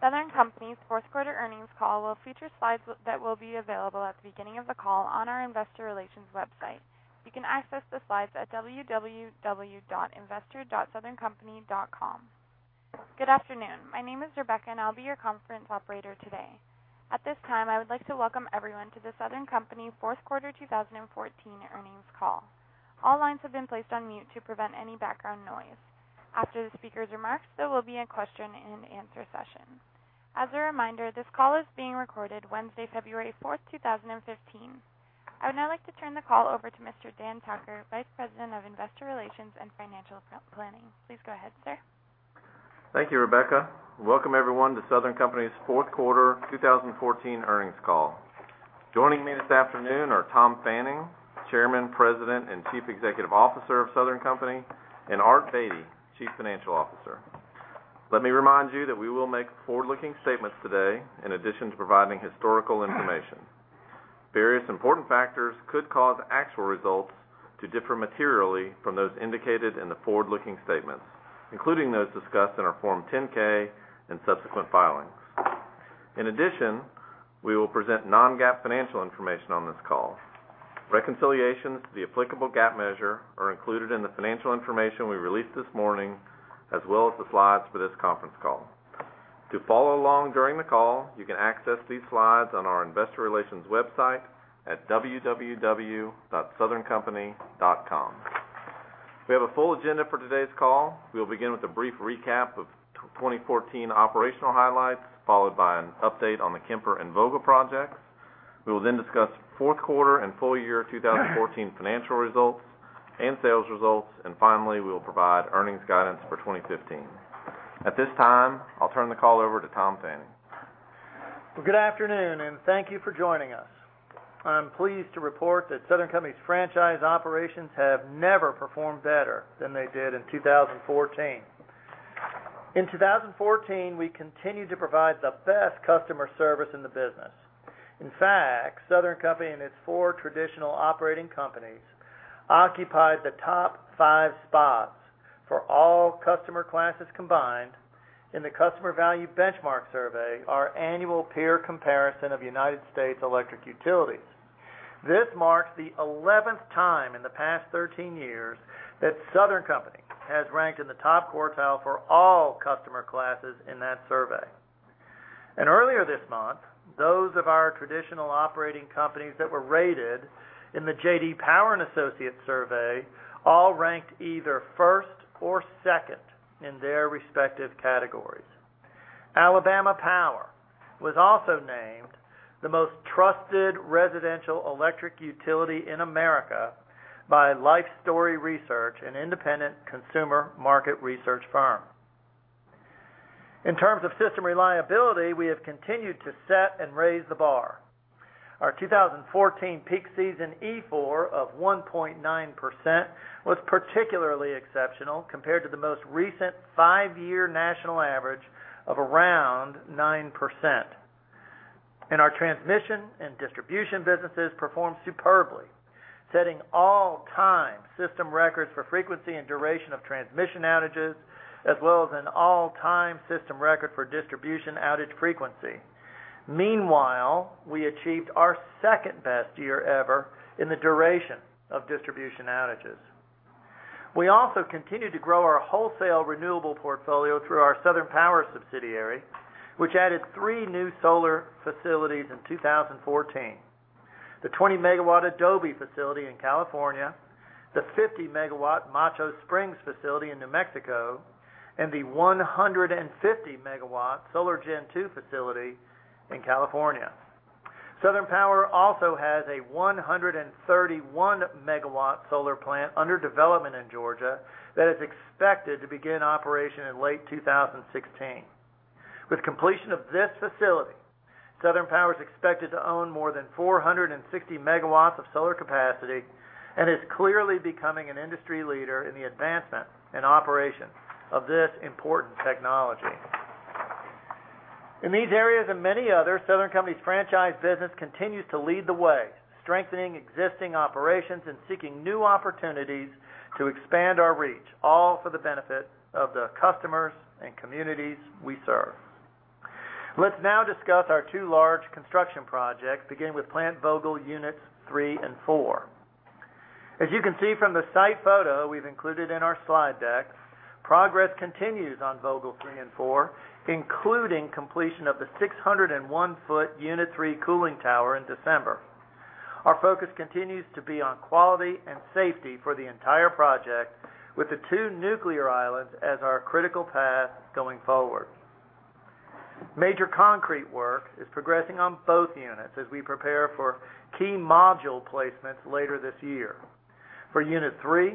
Southern Company's fourth quarter earnings call will feature slides that will be available at the beginning of the call on our investor relations website. You can access the slides at www.investor.southerncompany.com. Good afternoon. My name is Rebecca, and I'll be your conference operator today. At this time, I would like to welcome everyone to the Southern Company fourth quarter 2014 earnings call. All lines have been placed on mute to prevent any background noise. After the speaker's remarks, there will be a question and answer session. As a reminder, this call is being recorded Wednesday, February 4, 2015. I would now like to turn the call over to Mr. Dan Tucker, Vice President of Investor Relations and Financial Planning. Please go ahead, sir. Thank you, Rebecca. Welcome everyone to Southern Company's fourth quarter 2014 earnings call. Joining me this afternoon are Tom Fanning, Chairman, President, and Chief Executive Officer of Southern Company, and Art Beattie, Chief Financial Officer. Let me remind you that we will make forward-looking statements today in addition to providing historical information. Various important factors could cause actual results to differ materially from those indicated in the forward-looking statements, including those discussed in our Form 10-K and subsequent filings. In addition, we will present non-GAAP financial information on this call. Reconciliations to the applicable GAAP measure are included in the financial information we released this morning, as well as the slides for this conference call. To follow along during the call, you can access these slides on our investor relations website at www.southerncompany.com. We have a full agenda for today's call. We'll begin with a brief recap of 2014 operational highlights, followed by an update on the Kemper and Vogtle projects. We will discuss fourth quarter and full year 2014 financial results and sales results. Finally, we will provide earnings guidance for 2015. At this time, I'll turn the call over to Tom Fanning. Well, good afternoon, and thank you for joining us. I'm pleased to report that Southern Company's franchise operations have never performed better than they did in 2014. In 2014, we continued to provide the best customer service in the business. In fact, Southern Company and its four traditional operating companies occupied the top five spots for all customer classes combined in the Customer Value Benchmark Survey, our annual peer comparison of United States electric utilities. This marks the 11th time in the past 13 years that Southern Company has ranked in the top quartile for all customer classes in that survey. Earlier this month, those of our traditional operating companies that were rated in the J.D. Power and Associates survey all ranked either first or second in their respective categories. Alabama Power was also named the most trusted residential electric utility in America by Lifestory Research, an independent consumer market research firm. In terms of system reliability, we have continued to set and raise the bar. Our 2014 peak season EFOR of 1.9% was particularly exceptional compared to the most recent five-year national average of around 9%. Our transmission and distribution businesses performed superbly, setting all-time system records for frequency and duration of transmission outages, as well as an all-time system record for distribution outage frequency. Meanwhile, we achieved our second-best year ever in the duration of distribution outages. We also continued to grow our wholesale renewable portfolio through our Southern Power subsidiary, which added three new solar facilities in 2014. The 20-megawatt Adobe Solar Facility in California, the 50-megawatt Macho Springs facility in New Mexico, and the 150-megawatt Solar Gen 2 facility in California. Southern Power also has a 131-megawatt solar plant under development in Georgia that is expected to begin operation in late 2016. With completion of this facility, Southern Power is expected to own more than 460 megawatts of solar capacity and is clearly becoming an industry leader in the advancement and operation of this important technology. In these areas and many others, Southern Company's franchise business continues to lead the way, strengthening existing operations and seeking new opportunities to expand our reach, all for the benefit of the customers and communities we serve. Let's now discuss our two large construction projects, beginning with Plant Vogtle Units 3 and 4. As you can see from the site photo we've included in our slide deck, progress continues on Vogtle 3 and 4, including completion of the 601-foot Unit 3 cooling tower in December. Our focus continues to be on quality and safety for the entire project, with the two nuclear islands as our critical path going forward. Major concrete work is progressing on both units as we prepare for key module placements later this year. For Unit 3,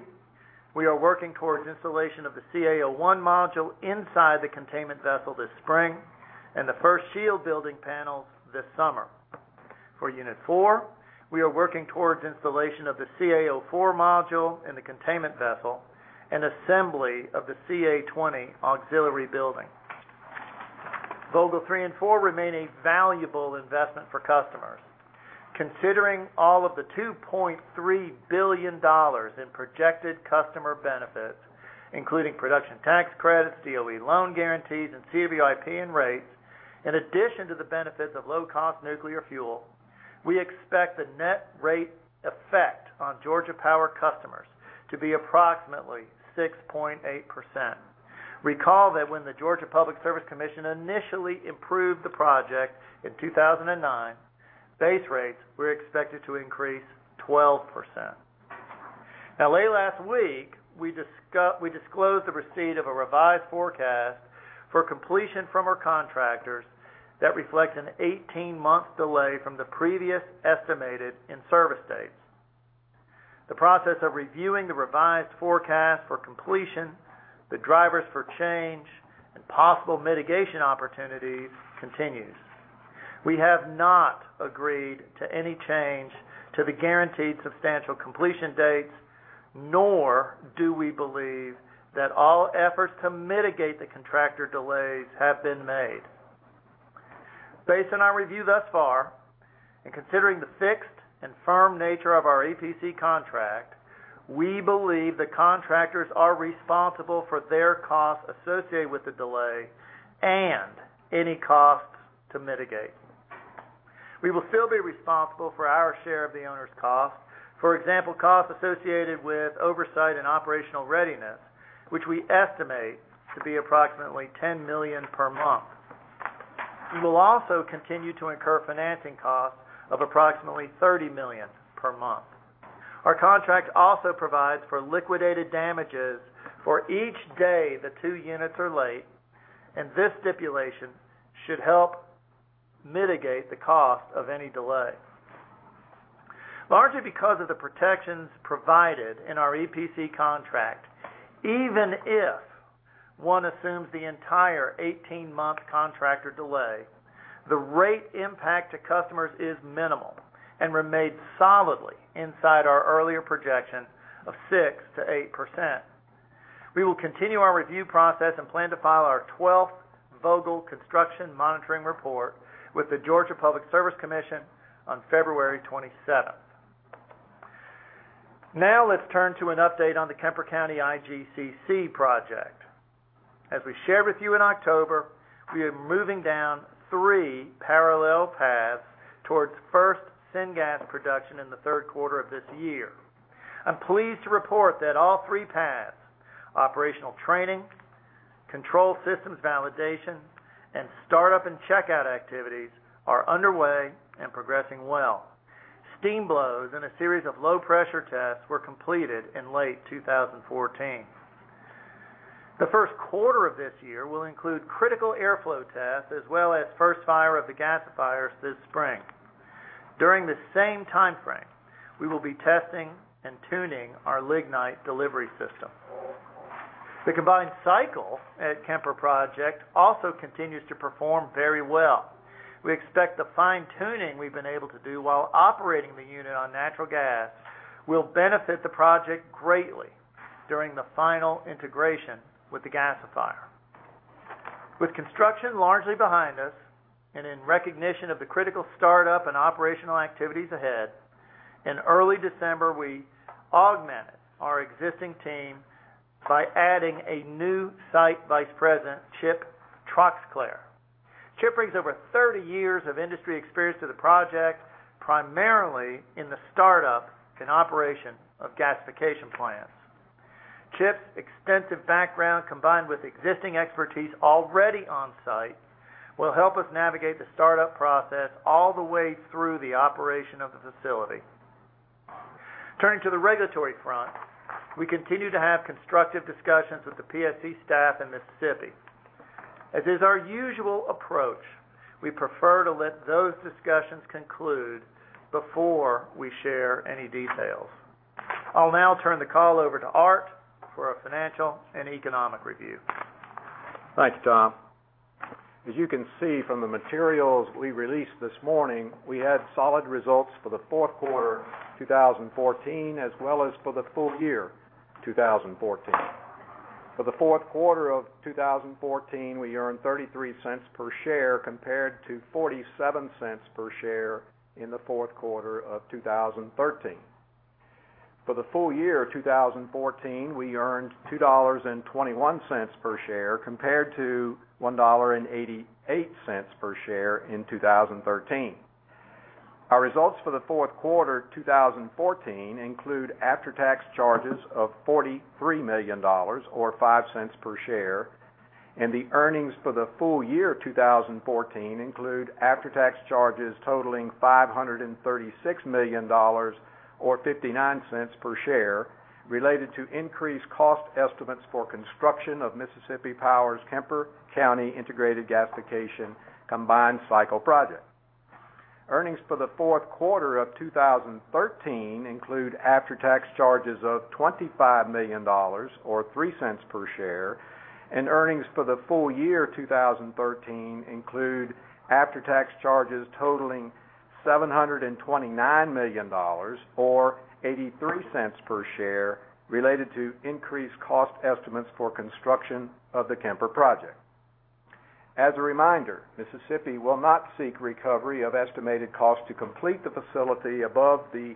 we are working towards installation of the CA01 module inside the containment vessel this spring and the first shield building panels this summer. For Unit 4, we are working towards installation of the CA04 module in the containment vessel and assembly of the CA20 auxiliary building. Vogtle 3 and 4 remain a valuable investment for customers. Considering all of the $2.3 billion in projected customer benefits, including production tax credits, DOE loan guarantees, and CWIP and rates, in addition to the benefits of low-cost nuclear fuel, we expect the net rate effect on Georgia Power customers to be approximately 6.8%. Recall that when the Georgia Public Service Commission initially improved the project in 2009, base rates were expected to increase 12%. Last week, we disclosed the receipt of a revised forecast for completion from our contractors that reflects an 18-month delay from the previous estimated in-service dates. The process of reviewing the revised forecast for completion, the drivers for change, and possible mitigation opportunities continues. We have not agreed to any change to the guaranteed substantial completion dates, nor do we believe that all efforts to mitigate the contractor delays have been made. Based on our review thus far, and considering the fixed and firm nature of our EPC contract, we believe the contractors are responsible for their costs associated with the delay and any costs to mitigate. We will still be responsible for our share of the owner's costs. For example, costs associated with oversight and operational readiness, which we estimate to be approximately $10 million per month. We will also continue to incur financing costs of approximately $30 million per month. Our contract also provides for liquidated damages for each day the two units are late, and this stipulation should help mitigate the cost of any delay. Largely because of the protections provided in our EPC contract, even if one assumes the entire 18-month contractor delay, the rate impact to customers is minimal and remains solidly inside our earlier projection of 6%-8%. We will continue our review process and plan to file our 12th Vogtle Construction Monitoring Report with the Georgia Public Service Commission on February 27th. Let's turn to an update on the Kemper County IGCC project. As we shared with you in October, we are moving down three parallel paths towards first syngas production in the third quarter of this year. I'm pleased to report that all three paths, operational training, control systems validation, and startup and checkout activities, are underway and progressing well. Steam blows and a series of low-pressure tests were completed in late 2014. The first quarter of this year will include critical airflow tests, as well as first fire of the gasifiers this spring. During the same timeframe, we will be testing and tuning our lignite delivery system. The combined cycle at Kemper project also continues to perform very well. We expect the fine-tuning we've been able to do while operating the unit on natural gas will benefit the project greatly during the final integration with the gasifier. With construction largely behind us and in recognition of the critical startup and operational activities ahead, in early December, we augmented our existing team by adding a new site vice president, Chip Troxclair. Chip brings over 30 years of industry experience to the project, primarily in the startup and operation of gasification plants. Chip's extensive background, combined with existing expertise already on-site, will help us navigate the startup process all the way through the operation of the facility. Turning to the regulatory front, we continue to have constructive discussions with the PSC staff in Mississippi. As is our usual approach, we prefer to let those discussions conclude before we share any details. I'll now turn the call over to Art for a financial and economic review. Thanks, Tom. As you can see from the materials we released this morning, we had solid results for the fourth quarter 2014, as well as for the full year 2014. For the fourth quarter of 2014, we earned $0.33 per share compared to $0.47 per share in the fourth quarter of 2013. For the full year 2014, we earned $2.21 per share, compared to $1.88 per share in 2013. Our results for the fourth quarter 2014 include after-tax charges of $43 million, or $0.05 per share, and the earnings for the full year 2014 include after-tax charges totaling $536 million, or $0.59 per share, related to increased cost estimates for construction of Mississippi Power's Kemper County Integrated Gasification Combined Cycle project. Earnings for the fourth quarter of 2013 include after-tax charges of $25 million, or $0.03 per share, and earnings for the full year 2013 include after-tax charges totaling $729 million, or $0.83 per share, related to increased cost estimates for construction of the Kemper project. As a reminder, Mississippi will not seek recovery of estimated costs to complete the facility above the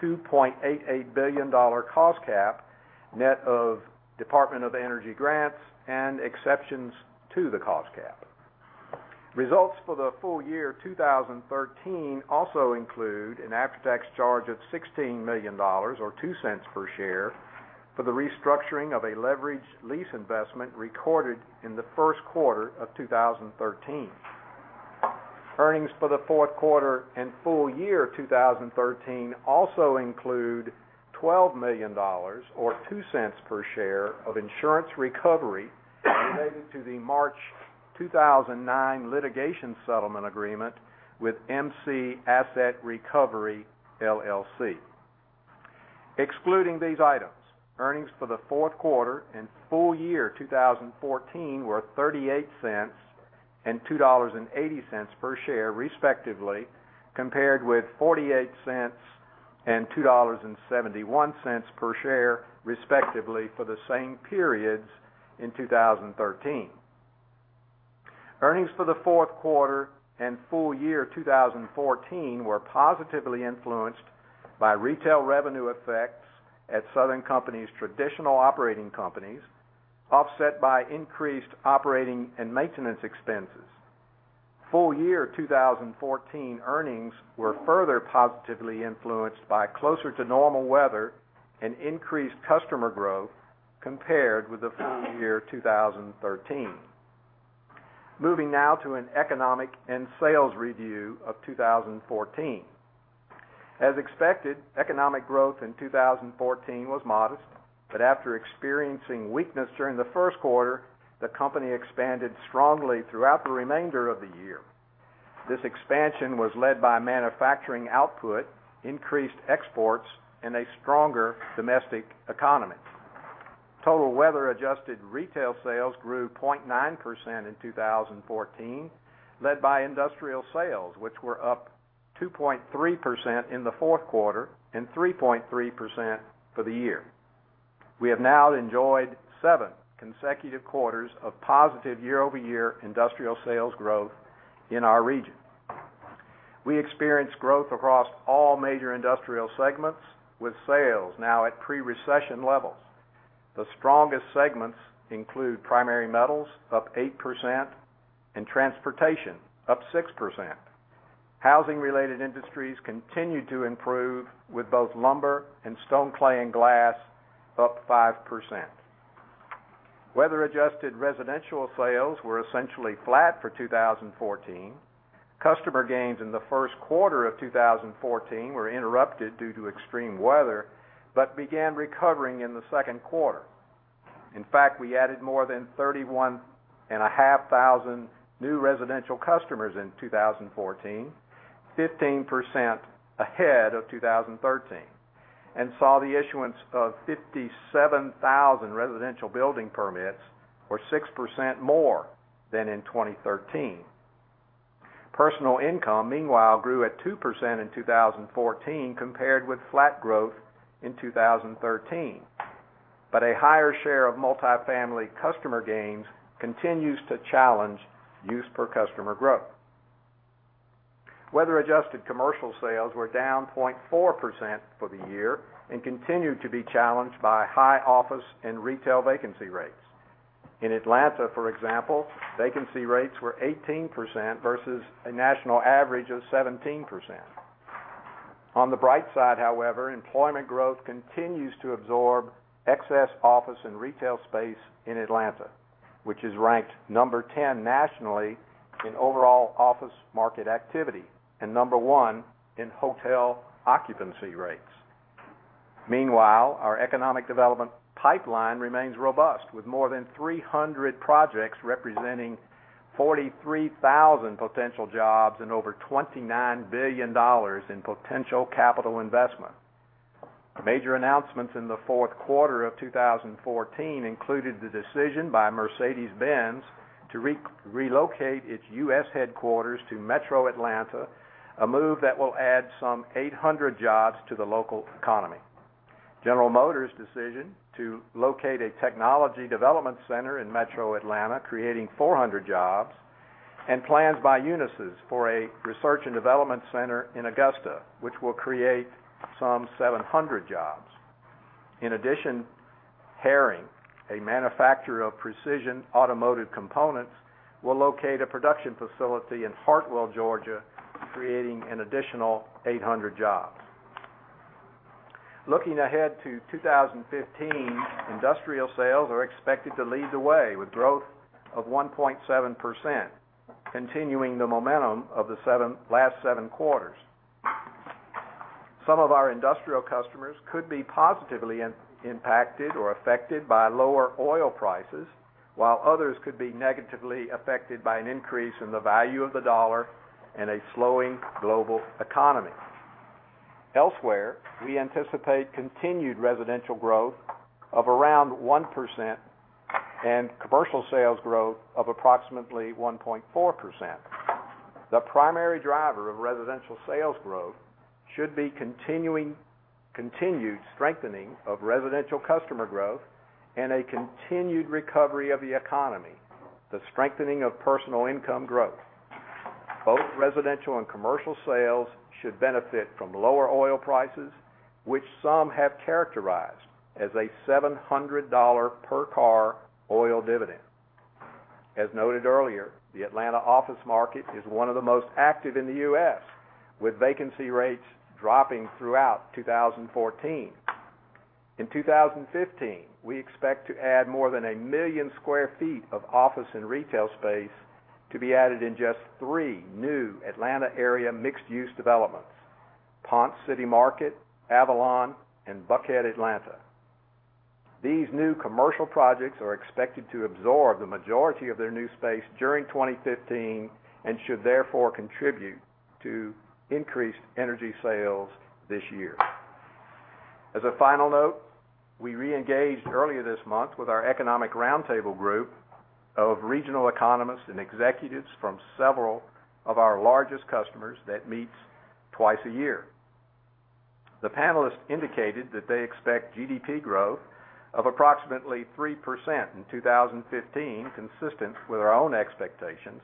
$2.88 billion cost cap, net of Department of Energy grants and exceptions to the cost cap. Results for the full year 2013 also include an after-tax charge of $16 million, or $0.02 per share, for the restructuring of a leveraged lease investment recorded in the first quarter of 2013. Earnings for the fourth quarter and full year 2013 also include $12 million, or $0.02 per share, of insurance recovery related to the March 2009 litigation settlement agreement with MC Asset Recovery LLC. Excluding these items, earnings for the fourth quarter and full year 2014 were $0.38 and $2.80 per share respectively, compared with $0.48 and $2.71 per share respectively for the same periods in 2013. Earnings for the fourth quarter and full year 2014 were positively influenced by retail revenue effects at Southern Company's traditional operating companies, offset by increased operating and maintenance expenses. Full year 2014 earnings were further positively influenced by closer to normal weather and increased customer growth compared with the full year 2013. Moving now to an economic and sales review of 2014. As expected, economic growth in 2014 was modest, but after experiencing weakness during the first quarter, the company expanded strongly throughout the remainder of the year. This expansion was led by manufacturing output, increased exports, and a stronger domestic economy. Total weather-adjusted retail sales grew 0.9% in 2014, led by industrial sales, which were up 2.3% in the fourth quarter and 3.3% for the year. We have now enjoyed seven consecutive quarters of positive year-over-year industrial sales growth in our region. We experienced growth across all major industrial segments, with sales now at pre-recession levels. The strongest segments include primary metals, up 8%, and transportation, up 6%. Housing-related industries continued to improve with both lumber and stone clay and glass up 5%. Weather-adjusted residential sales were essentially flat for 2014. Customer gains in the first quarter of 2014 were interrupted due to extreme weather but began recovering in the second quarter. In fact, we added more than 31,500 new residential customers in 2014, 15% ahead of 2013, and saw the issuance of 57,000 residential building permits, or 6% more than in 2013. Personal income, meanwhile, grew at 2% in 2014 compared with flat growth in 2013. A higher share of multifamily customer gains continues to challenge use-per-customer growth. Weather-adjusted commercial sales were down 0.4% for the year and continue to be challenged by high office and retail vacancy rates. In Atlanta, for example, vacancy rates were 18% versus a national average of 17%. On the bright side, however, employment growth continues to absorb excess office and retail space in Atlanta, which is ranked number 10 nationally in overall office market activity and number one in hotel occupancy rates. Meanwhile, our economic development pipeline remains robust with more than 300 projects representing 43,000 potential jobs and over $29 billion in potential capital investment. Major announcements in the fourth quarter of 2014 included the decision by Mercedes-Benz to relocate its U.S. headquarters to Metro Atlanta, a move that will add some 800 jobs to the local economy. General Motors' decision to locate a technology development center in Metro Atlanta, creating 400 jobs, and plans by Unisys for a research and development center in Augusta, which will create some 700 jobs. In addition, Héroux-Devtek, a manufacturer of precision automotive components, will locate a production facility in Hartwell, Georgia, creating an additional 800 jobs. Looking ahead to 2015, industrial sales are expected to lead the way, with growth of 1.7%, continuing the momentum of the last seven quarters. Some of our industrial customers could be positively impacted or affected by lower oil prices, while others could be negatively affected by an increase in the value of the dollar and a slowing global economy. Elsewhere, we anticipate continued residential growth of around 1% and commercial sales growth of approximately 1.4%. The primary driver of residential sales growth should be continued strengthening of residential customer growth and a continued recovery of the economy, the strengthening of personal income growth. Both residential and commercial sales should benefit from lower oil prices, which some have characterized as a $700 per car oil dividend. As noted earlier, the Atlanta office market is one of the most active in the U.S., with vacancy rates dropping throughout 2014. In 2015, we expect to add more than a million square feet of office and retail space to be added in just three new Atlanta area mixed-use developments, Ponce City Market, Avalon, and Buckhead Atlanta. These new commercial projects are expected to absorb the majority of their new space during 2015 and should therefore contribute to increased energy sales this year. As a final note, we reengaged earlier this month with our economic roundtable group of regional economists and executives from several of our largest customers that meets twice a year. The panelists indicated that they expect GDP growth of approximately 3% in 2015, consistent with our own expectations,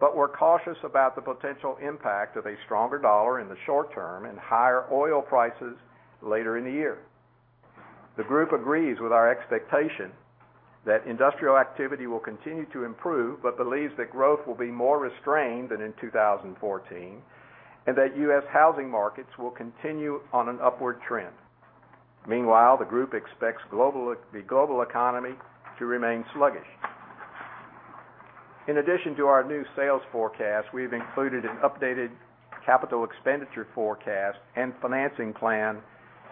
but were cautious about the potential impact of a stronger dollar in the short term and higher oil prices later in the year. The group agrees with our expectation that industrial activity will continue to improve, but believes that growth will be more restrained than in 2014, and that U.S. housing markets will continue on an upward trend. Meanwhile, the group expects the global economy to remain sluggish. In addition to our new sales forecast, we've included an updated capital expenditure forecast and financing plan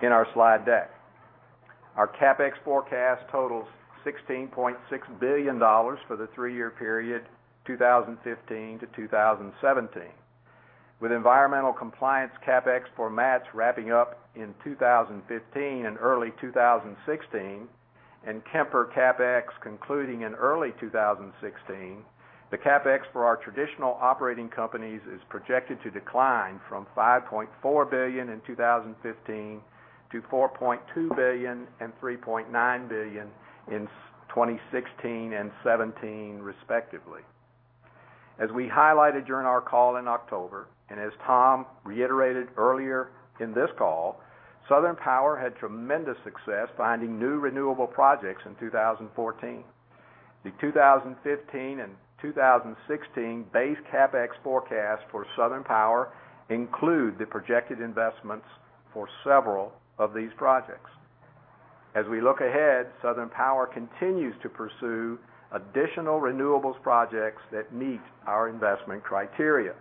in our slide deck. Our CapEx forecast totals $16.6 billion for the three-year period 2015 to 2017. With environmental compliance CapEx for MATS wrapping up in 2015 and early 2016, and Kemper CapEx concluding in early 2016, the CapEx for our traditional operating companies is projected to decline from $5.4 billion in 2015 to $4.2 billion and $3.9 billion in 2016 and 2017, respectively. As we highlighted during our call in October, and as Tom reiterated earlier in this call, Southern Power had tremendous success finding new renewable projects in 2014. The 2015 and 2016 base CapEx forecast for Southern Power include the projected investments for several of these projects. As we look ahead, Southern Power continues to pursue additional renewables projects that meet our investment criteria.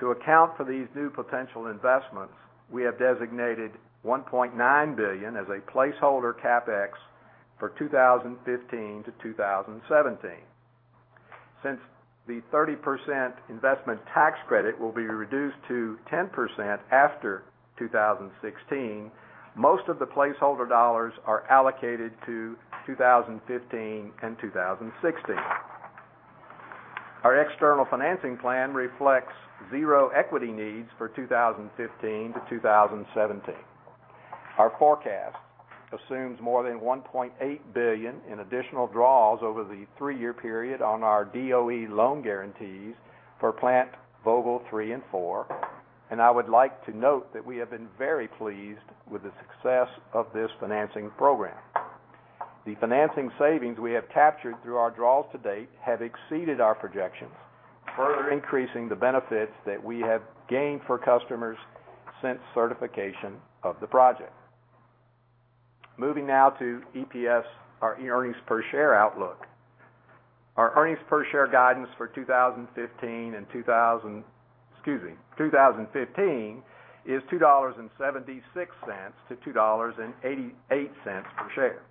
To account for these new potential investments, we have designated $1.9 billion as a placeholder CapEx for 2015 to 2017. Since the 30% investment tax credit will be reduced to 10% after 2016, most of the placeholder dollars are allocated to 2015 and 2016. Our external financing plan reflects zero equity needs for 2015 to 2017. Our forecast assumes more than $1.8 billion in additional draws over the three-year period on our DOE loan guarantees for Plant Vogtle 3 and 4. I would like to note that we have been very pleased with the success of this financing program. The financing savings we have captured through our draws to date have exceeded our projections, further increasing the benefits that we have gained for customers since certification of the project. Moving now to EPS, our earnings per share outlook. Our earnings per share guidance for 2015 is $2.76-$2.88 per share.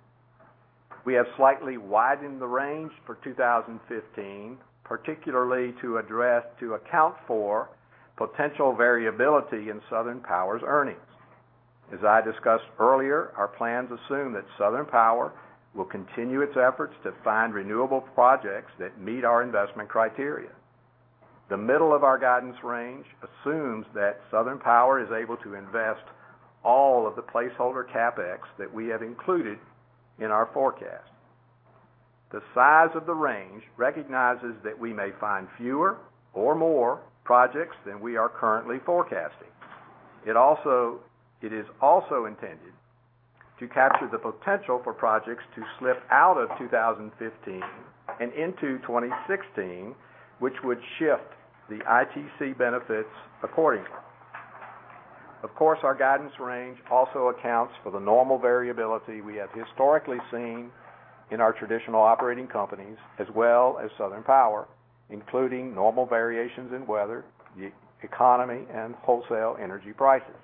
We have slightly widened the range for 2015, particularly to account for potential variability in Southern Power's earnings. As I discussed earlier, our plans assume that Southern Power will continue its efforts to find renewable projects that meet our investment criteria. The middle of our guidance range assumes that Southern Power is able to invest all of the placeholder CapEx that we have included in our forecast. The size of the range recognizes that we may find fewer or more projects than we are currently forecasting. It is also intended to capture the potential for projects to slip out of 2015 and into 2016, which would shift the ITC benefits accordingly. Of course, our guidance range also accounts for the normal variability we have historically seen in our traditional operating companies as well as Southern Power, including normal variations in weather, the economy, and wholesale energy prices.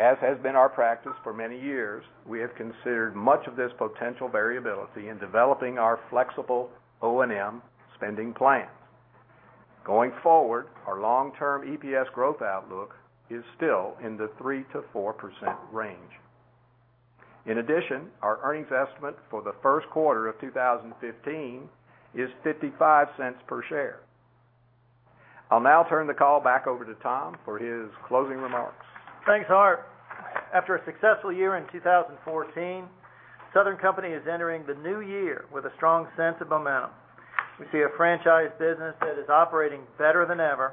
As has been our practice for many years, we have considered much of this potential variability in developing our flexible O&M spending plans. Going forward, our long-term EPS growth outlook is still in the 3%-4% range. In addition, our earnings estimate for the first quarter of 2015 is $0.55 per share. I'll now turn the call back over to Tom for his closing remarks. Thanks, Art. After a successful year in 2014, Southern Company is entering the new year with a strong sense of momentum. We see a franchise business that is operating better than ever,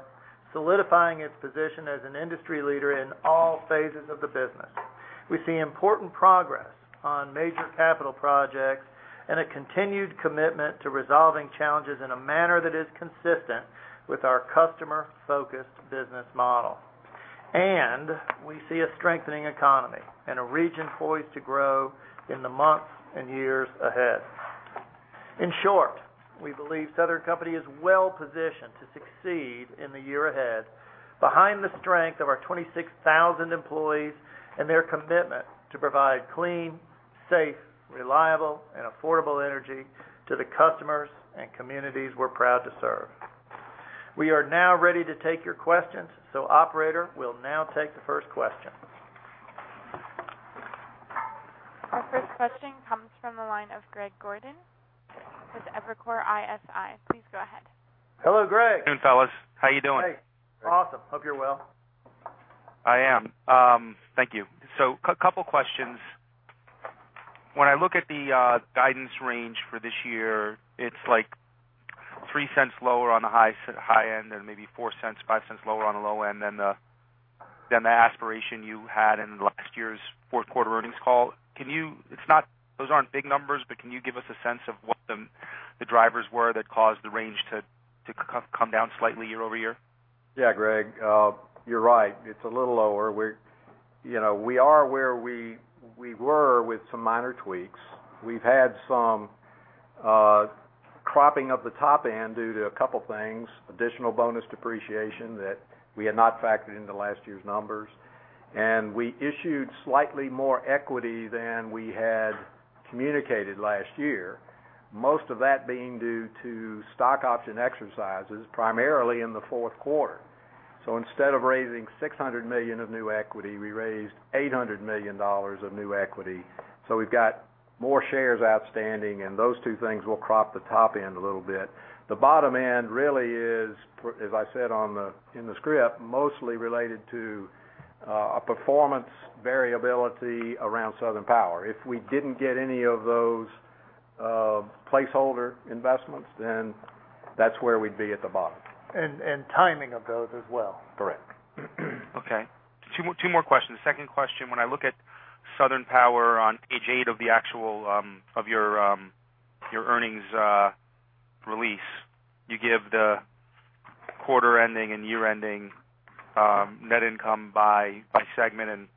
solidifying its position as an industry leader in all phases of the business. We see important progress on major capital projects and a continued commitment to resolving challenges in a manner that is consistent with our customer-focused business model. We see a strengthening economy and a region poised to grow in the months and years ahead. In short, we believe Southern Company is well-positioned to succeed in the year ahead behind the strength of our 26,000 employees and their commitment to provide clean, safe, reliable, and affordable energy to the customers and communities we're proud to serve. We are now ready to take your questions. Operator, we'll now take the first question. Our first question comes from the line of Greg Gordon with Evercore ISI. Please go ahead. Hello, Greg. Good evening, fellas. How you doing? Hey. Awesome. Hope you're well. I am. Thank you. A couple questions. When I look at the guidance range for this year, it's like $0.03 lower on the high end and maybe $0.04, $0.05 lower on the low end than the aspiration you had in last year's fourth quarter earnings call. Those aren't big numbers, but can you give us a sense of what the drivers were that caused the range to come down slightly year-over-year? Yeah, Greg, you're right. It's a little lower. We are where we were with some minor tweaks. We've had some cropping of the top end due to a couple things, additional bonus depreciation that we had not factored into last year's numbers. We issued slightly more equity than we had communicated last year, most of that being due to stock option exercises, primarily in the fourth quarter. Instead of raising $600 million of new equity, we raised $800 million of new equity. We've got more shares outstanding, and those two things will crop the top end a little bit. The bottom end really is, as I said in the script, mostly related to a performance variability around Southern Power. If we didn't get any of those placeholder investments, that's where we'd be at the bottom. Timing of those as well. Correct. Okay. Two more questions. Second question, when I look at Southern Power on page eight of your earnings release, you give the quarter-ending and year-ending net income by segment.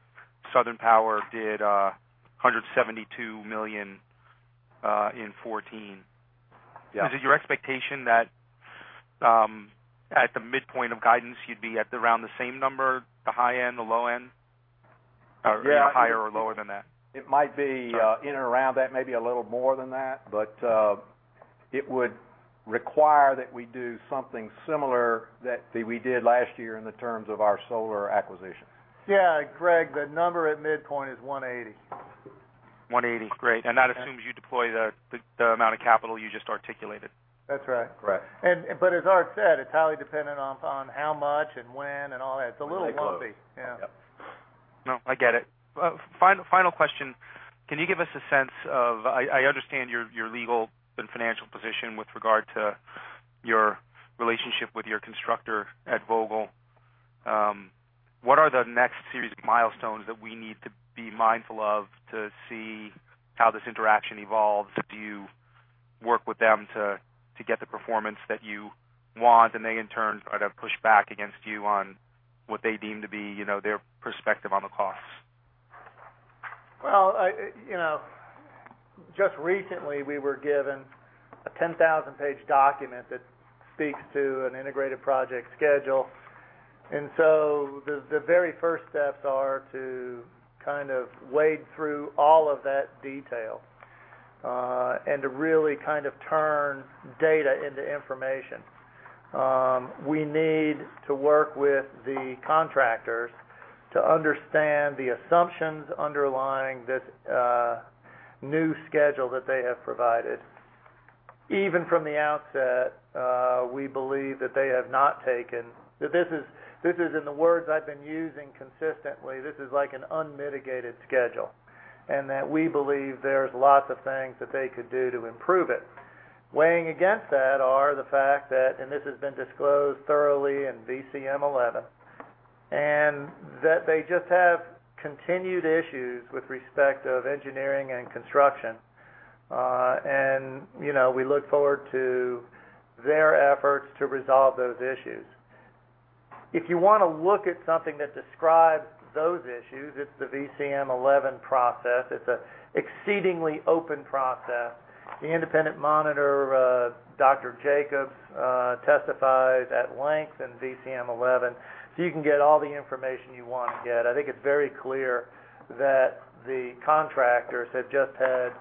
Southern Power did $172 million in 2014. Yeah. Is it your expectation that at the midpoint of guidance, you'd be at around the same number, the high end, the low end? Yeah. Even higher or lower than that? It might be in and around that, maybe a little more than that, but it would require that we do something similar that we did last year in the terms of our solar acquisition. Yeah, Greg, the number at midpoint is $180. Great. That assumes you deploy the amount of capital you just articulated. That's right. Correct. As Art said, it's highly dependent on how much and when and all that. It's a little lumpy. Yeah. No, I get it. Final question, can you give us a sense of? I understand your legal and financial position with regard to your relationship with your constructor at Vogtle. What are the next series of milestones that we need to be mindful of to see how this interaction evolves? Do you work with them to get the performance that you want, and they in turn sort of push back against you on what they deem to be their perspective on the costs? Well, just recently, we were given a 10,000-page document that speaks to an integrated project schedule. The very first steps are to kind of wade through all of that detail, and to really kind of turn data into information. We need to work with the contractors to understand the assumptions underlying this new schedule that they have provided. Even from the outset, we believe that they have not taken, this is in the words I've been using consistently, this is like an unmitigated schedule. We believe there's lots of things that they could do to improve it. Weighing against that are the fact that, and this has been disclosed thoroughly in VCM 11, and that they just have continued issues with respect of engineering and construction. We look forward to their efforts to resolve those issues. If you want to look at something that describes those issues, it's the VCM 11 process. It's an exceedingly open process. The independent monitor, Dr. Jacobs, testifies at length in VCM 11, so you can get all the information you want to get. I think it's very clear that the contractors have just had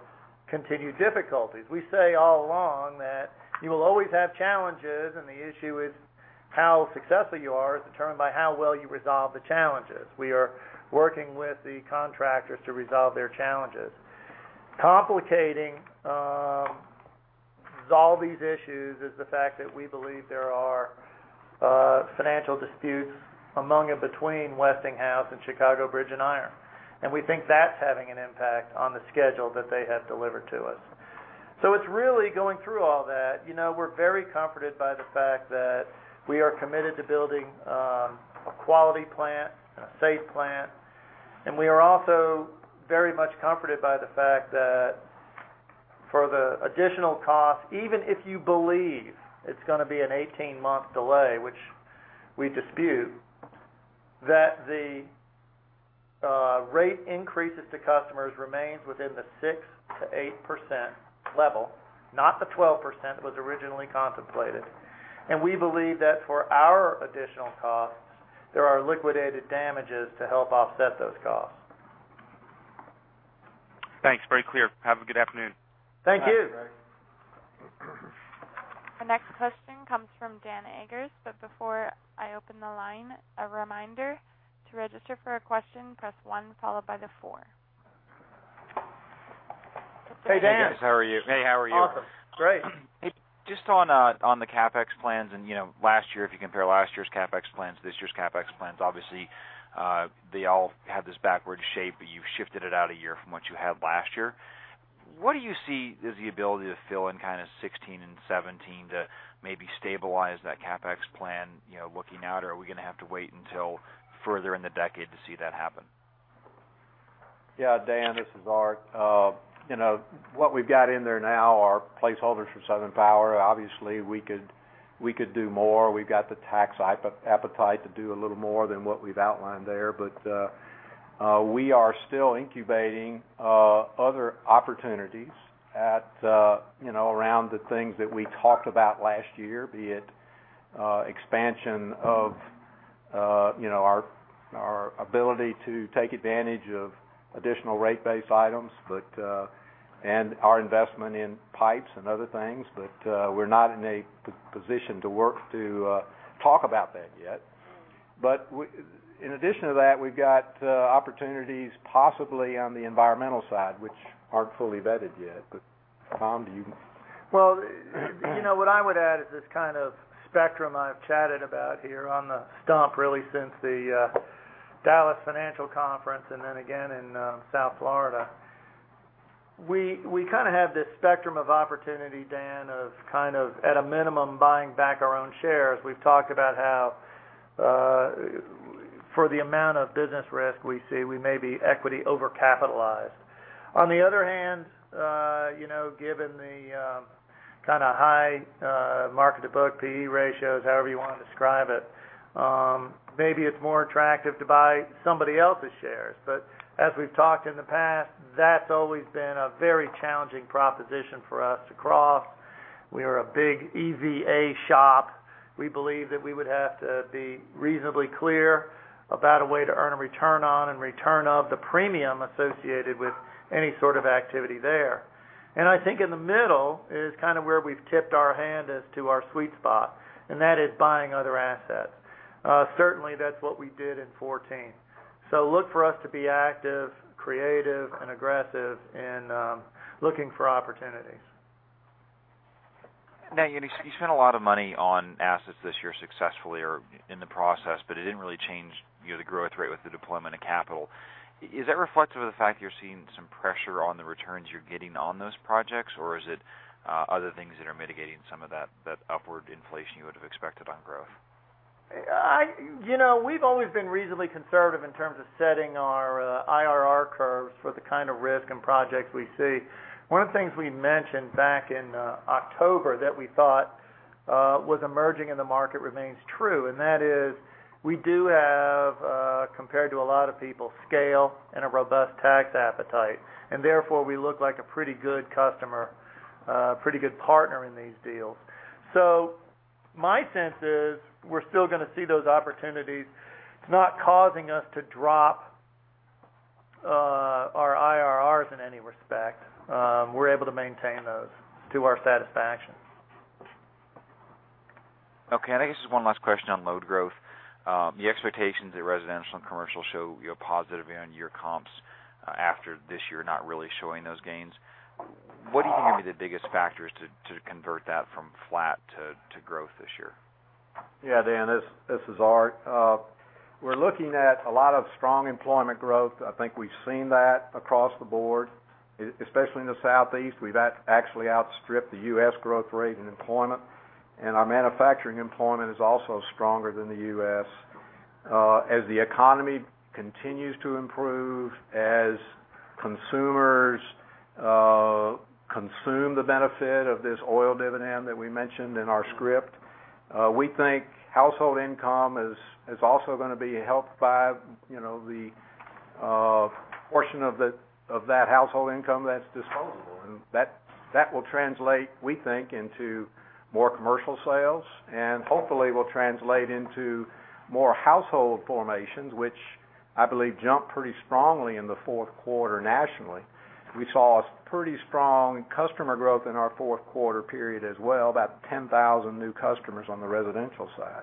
continued difficulties. We say all along that you will always have challenges, and the issue is how successful you are is determined by how well you resolve the challenges. We are working with the contractors to resolve their challenges. Complicating all these issues is the fact that we believe there are financial disputes among and between Westinghouse and Chicago Bridge & Iron. We think that's having an impact on the schedule that they have delivered to us. It's really going through all that. We're very comforted by the fact that we are committed to building a quality plant and a safe plant. We are also very much comforted by the fact that for the additional cost, even if you believe it's going to be an 18-month delay, which we dispute, that the rate increases to customers remains within the 6%-8% level, not the 12% that was originally contemplated. We believe that for our additional costs, there are liquidated damages to help offset those costs. Thanks. Very clear. Have a good afternoon. Thank you. All right. Thanks. The next question comes from Dan Eggers. Before I open the line, a reminder, to register for a question, press one followed by the four. Hey, Dan. Hey, guys. How are you? Awesome. Great. Just on the CapEx plans last year, if you compare last year's CapEx plans to this year's CapEx plans, obviously, they all have this backward shape, but you've shifted it out a year from what you had last year. What do you see is the ability to fill in kind of 2016 and 2017 to maybe stabilize that CapEx plan looking out? Are we going to have to wait until further in the decade to see that happen? Yeah, Dan, this is Art. What we've got in there now are placeholders for Southern Power. Obviously, we could do more. We've got the tax appetite to do a little more than what we've outlined there. We are still incubating other opportunities around the things that we talked about last year, be it expansion of our ability to take advantage of additional rate-based items and our investment in pipes and other things. We're not in a position to work to talk about that yet. In addition to that, we've got opportunities possibly on the environmental side, which aren't fully vetted yet. Tom, do you- Well, what I would add is this kind of spectrum I've chatted about here on the stump really since the Dallas financial conference and then again in South Florida. We kind of have this spectrum of opportunity, Dan, of at a minimum buying back our own shares. We've talked about how for the amount of business risk we see, we may be equity overcapitalized. On the other hand, given the kind of high market-to-book PE ratios, however you want to describe it, maybe it's more attractive to buy somebody else's shares. As we've talked in the past, that's always been a very challenging proposition for us to cross. We are a big EVA shop. We believe that we would have to be reasonably clear about a way to earn a return on and return of the premium associated with any sort of activity there. I think in the middle is kind of where we've tipped our hand as to our sweet spot, and that is buying other assets. Certainly, that's what we did in 2014. Look for us to be active, creative, and aggressive in looking for opportunities. Now, you spent a lot of money on assets this year successfully or in the process, it didn't really change the growth rate with the deployment of capital. Is that reflective of the fact you're seeing some pressure on the returns you're getting on those projects? Is it other things that are mitigating some of that upward inflation you would have expected on growth? We've always been reasonably conservative in terms of setting our IRR curves for the kind of risk and projects we see. One of the things we mentioned back in October that we thought was emerging in the market remains true, that is we do have, compared to a lot of people, scale and a robust tax appetite. Therefore, we look like a pretty good customer, a pretty good partner in these deals. My sense is we're still going to see those opportunities. It's not causing us to drop our IRRs in any respect. We're able to maintain those to our satisfaction. Okay. I guess just one last question on load growth. The expectations that residential and commercial show positive end-year comps after this year not really showing those gains. What do you think are going to be the biggest factors to convert that from flat to growth this year? Yeah, Dan, this is Art. We're looking at a lot of strong employment growth. I think we've seen that across the board, especially in the Southeast. We've actually outstripped the U.S. growth rate in employment, and our manufacturing employment is also stronger than the U.S. As the economy continues to improve, as consumers consume the benefit of this oil dividend that we mentioned in our script, we think household income is also going to be helped by the portion of that household income that's disposable. That will translate, we think, into more commercial sales and hopefully will translate into more household formations, which I believe jumped pretty strongly in the fourth quarter nationally. We saw a pretty strong customer growth in our fourth quarter period as well, about 10,000 new customers on the residential side.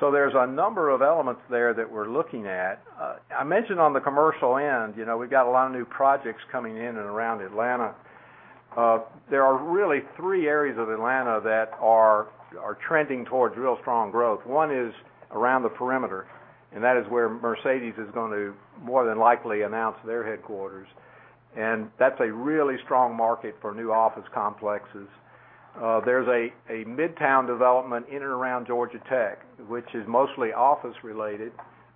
There's a number of elements there that we're looking at. I mentioned on the commercial end, we've got a lot of new projects coming in and around Atlanta. There are really three areas of Atlanta that are trending towards real strong growth. One is around the perimeter, and that is where Mercedes is going to more than likely announce their headquarters. That's a really strong market for new office complexes. There's a midtown development in and around Georgia Tech, which is mostly office related,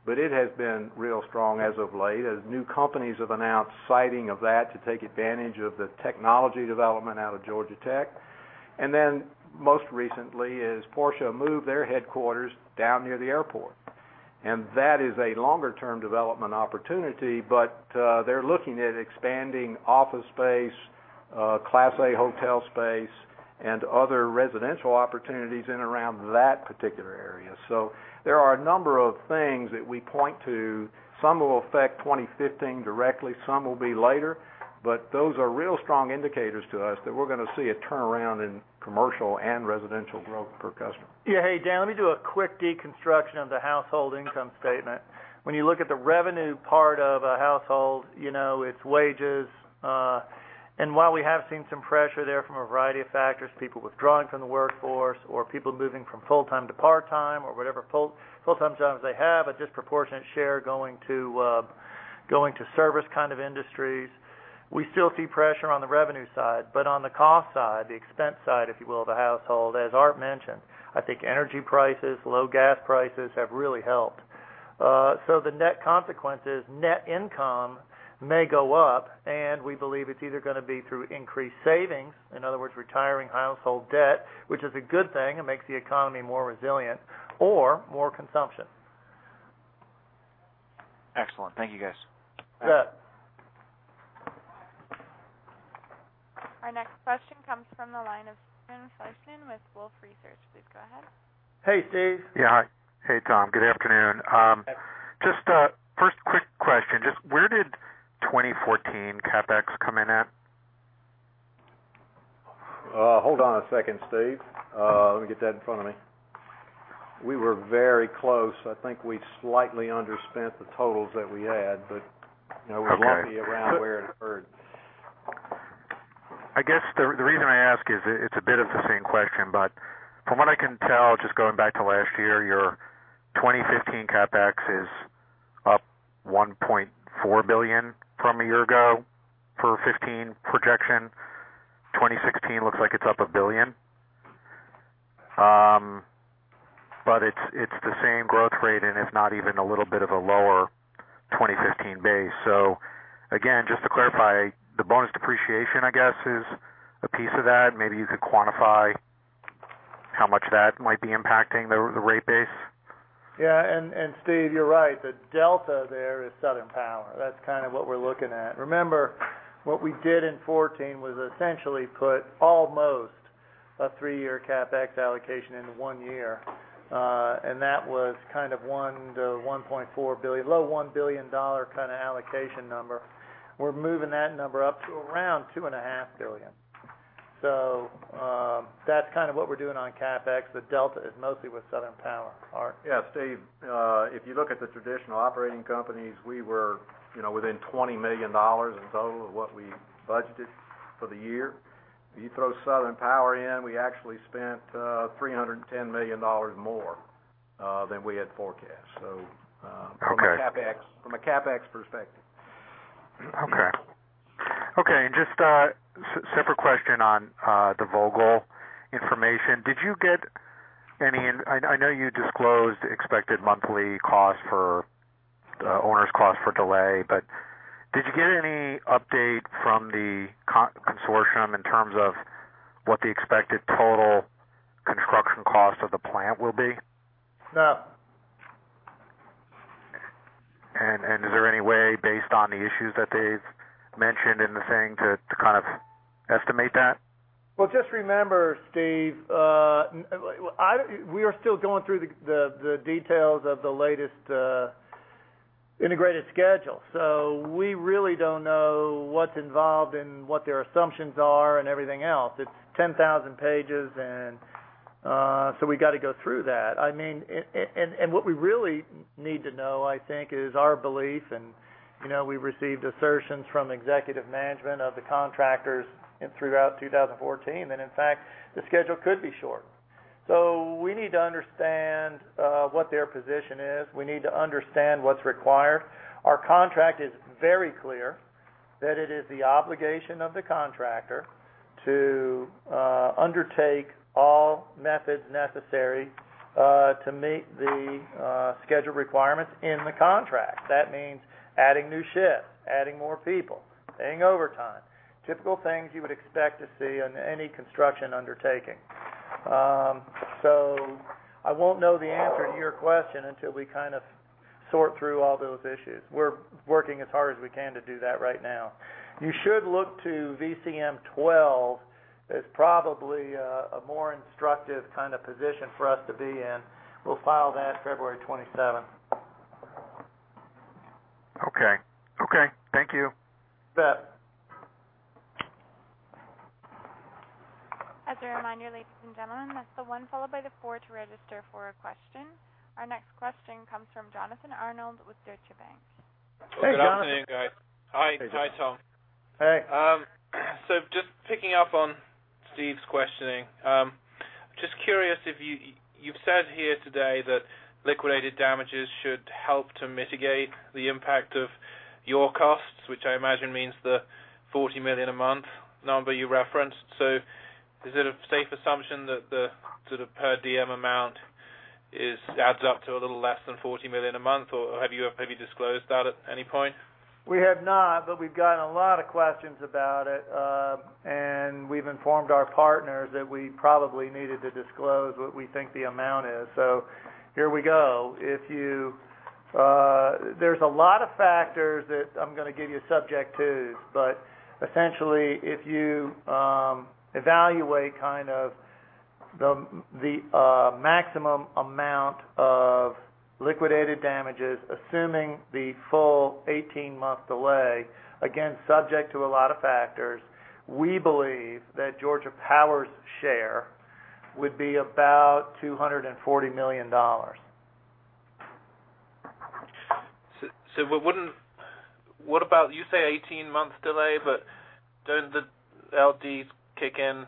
but it has been real strong as of late as new companies have announced siting of that to take advantage of the technology development out of Georgia Tech. Then most recently is Porsche moved their headquarters down near the airport. That is a longer-term development opportunity, but they're looking at expanding office space, Class A hotel space, and other residential opportunities in and around that particular area. There are a number of things that we point to. Some will affect 2015 directly, some will be later. Those are real strong indicators to us that we're going to see a turnaround in commercial and residential growth per customer. Hey, Dan, let me do a quick deconstruction of the household income statement. When you look at the revenue part of a household, it's wages. While we have seen some pressure there from a variety of factors, people withdrawing from the workforce or people moving from full-time to part-time or whatever full-time jobs they have, a disproportionate share going to service kind of industries. We still see pressure on the revenue side. On the cost side, the expense side, if you will, of the household, as Art mentioned, I think energy prices, low gas prices have really helped. The net consequence is net income may go up, and we believe it's either going to be through increased savings, in other words, retiring household debt, which is a good thing, it makes the economy more resilient, or more consumption. Excellent. Thank you, guys. You bet. Our next question comes from the line of Steven Fleishman with Wolfe Research. Please go ahead. Hey, Steve. Yeah. Hi. Hey, Tom. Good afternoon. Hi. First quick question, just where did 2014 CapEx come in at? Hold on a second, Steve. Let me get that in front of me. We were very close. I think we slightly underspent the totals that we had. Okay We're lucky around where it occurred. I guess the reason I ask is, it's a bit of the same question, but from what I can tell, just going back to last year, your 2015 CapEx is up $1.4 billion from a year ago for 2015 projection. 2016 looks like it's up $1 billion. It's the same growth rate and if not even a little bit of a lower 2015 base. Again, just to clarify, the bonus depreciation, I guess, is a piece of that. Maybe you could quantify how much that might be impacting the rate base. Yeah. Steve, you're right. The delta there is Southern Power. That's kind of what we're looking at. Remember, what we did in 2014 was essentially put almost a 3-year CapEx allocation into one year. That was kind of one to $1.4 billion, low $1 billion kind of allocation number. We're moving that number up to around $2.5 billion. That's kind of what we're doing on CapEx. The delta is mostly with Southern Power. Art? Yeah, Steve. If you look at the traditional operating companies, we were within $20 million in total of what we budgeted for the year. You throw Southern Power in, we actually spent $310 million more than we had forecast. Okay. From a CapEx perspective. Okay. Just a separate question on the Vogtle information. I know you disclosed expected monthly cost for owner's cost for delay, but did you get any update from the consortium in terms of what the expected total construction cost of the plant will be? No. Is there any way, based on the issues that they've mentioned in the thing, to kind of estimate that? Well, just remember, Steve, we are still going through the details of the latest integrated schedule. We really don't know what's involved and what their assumptions are and everything else. It's 10,000 pages and so we got to go through that. What we really need to know, I think, is our belief, and we've received assertions from executive management of the contractors throughout 2014 that in fact, the schedule could be short. We need to understand what their position is. We need to understand what's required. Our contract is very clear that it is the obligation of the contractor to undertake all methods necessary to meet the schedule requirements in the contract. That means adding new shifts, adding more people, paying overtime. Typical things you would expect to see on any construction undertaking. I won't know the answer to your question until we kind of sort through all those issues. We're working as hard as we can to do that right now. You should look to VCM 12 as probably a more instructive kind of position for us to be in. We'll file that February 27th. Okay. As a reminder, ladies and gentlemen, that's the one followed by the four to register for a question. Our next question comes from Jonathan Arnold with Deutsche Bank. Hey, Jonathan. Good afternoon, guys. Hi, Tom. Hey. Just picking up on Steven's questioning. Just curious, you've said here today that liquidated damages should help to mitigate the impact of your costs, which I imagine means the $40 million a month number you referenced. Is it a safe assumption that the per diem amount adds up to a little less than $40 million a month, or have you disclosed that at any point? We have not, but we've gotten a lot of questions about it. We've informed our partners that we probably needed to disclose what we think the amount is. Here we go. There's a lot of factors that I'm going to give you subject to, but essentially, if you evaluate the maximum amount of liquidated damages, assuming the full 18-month delay, again, subject to a lot of factors, we believe that Georgia Power's share would be about $240 million. What about, you say 18 months delay, but don't the LDs kick in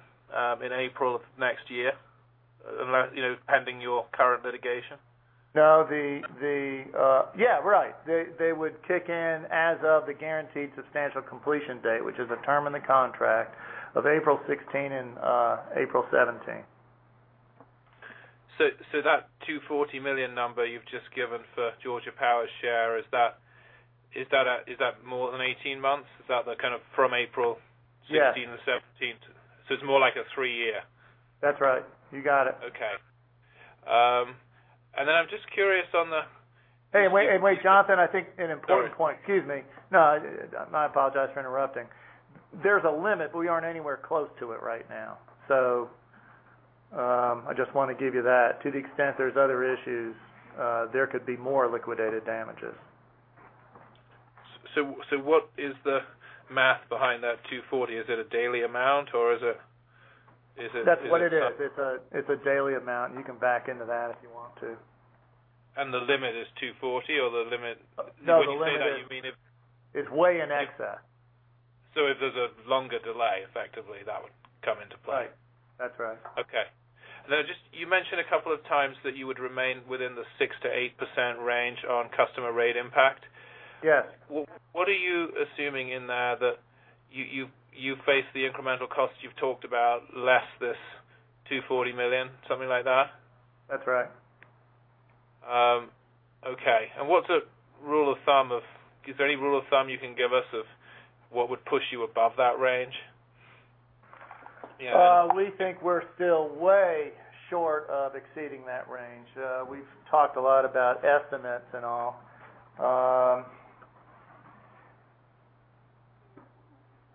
in April of next year, pending your current litigation? Yeah, right. They would kick in as of the guaranteed substantial completion date, which is a term in the contract of April 2016 and April 2017. That $240 million number you've just given for Georgia Power's share, is that more than 18 months? Is that the kind of from April 2016 to 2017? Yes. It's more like a three-year? That's right. You got it. Okay. I'm just curious on the- Hey, wait, Jonathan, I think an important point. Excuse me. No, I apologize for interrupting. There's a limit, but we aren't anywhere close to it right now. I just want to give you that. To the extent there's other issues, there could be more liquidated damages. What is the math behind that 240? Is it a daily amount or is it- That's what it is. It's a daily amount, and you can back into that if you want to. The limit is 240, or the limit- No, the limit is way in excess. If there's a longer delay, effectively, that would come into play. Right. That's right. Okay. Now just, you mentioned a couple of times that you would remain within the 6%-8% range on customer rate impact. Yes. What are you assuming in there that you face the incremental costs you've talked about less this $240 million, something like that? That's right. Okay. What's a rule of thumb of, is there any rule of thumb you can give us of what would push you above that range? We think we're still way short of exceeding that range. We've talked a lot about estimates and all.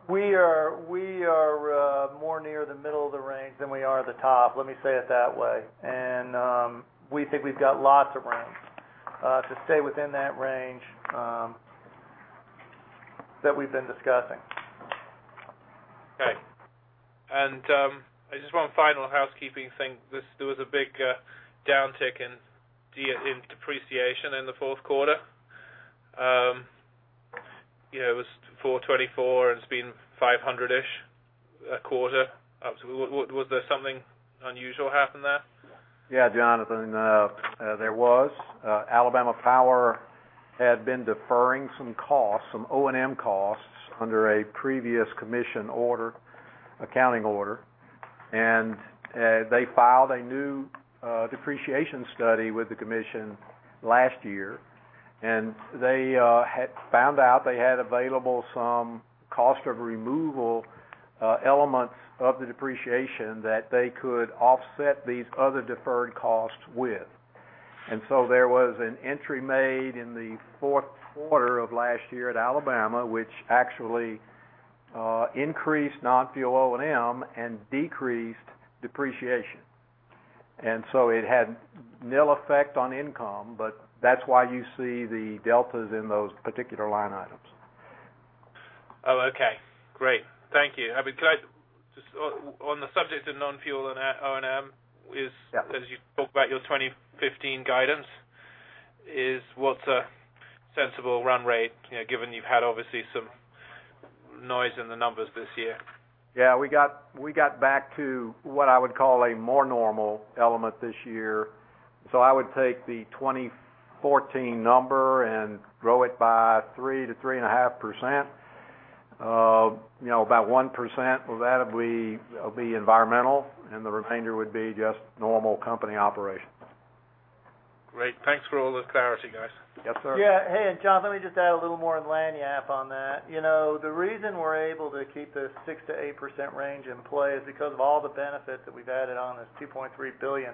We are more near the middle of the range than we are at the top, let me say it that way. We think we've got lots of range to stay within that range that we've been discussing. Okay. Just one final housekeeping thing. There was a big downtick in depreciation in the fourth quarter. It was $424 and it's been $500-ish a quarter. Was there something unusual happen there? Yeah, Jonathan, there was. Alabama Power had been deferring some costs, some O&M costs under a previous commission accounting order. They filed a new depreciation study with the commission last year, and they found out they had available some cost of removal elements of the depreciation that they could offset these other deferred costs with. There was an entry made in the fourth quarter of last year at Alabama, which actually increased non-fuel O&M and decreased depreciation. It had nil effect on income, but that's why you see the deltas in those particular line items. Oh, okay. Great. Thank you. On the subject of non-fuel and O&M. Yeah As you talk about your 2015 guidance, what's a sensible run rate given you've had obviously some noise in the numbers this year? Yeah, we got back to what I would call a more normal element this year. I would take the 2014 number and grow it by 3%-3.5%. About 1% of that'll be environmental, and the remainder would be just normal company operations. Great. Thanks for all the clarity, guys. Yes, sir. Yeah. Hey, John, let me just add a little more lagniappe on that. The reason we're able to keep this 6%-8% range in play is because of all the benefits that we've added on this $2.3 billion.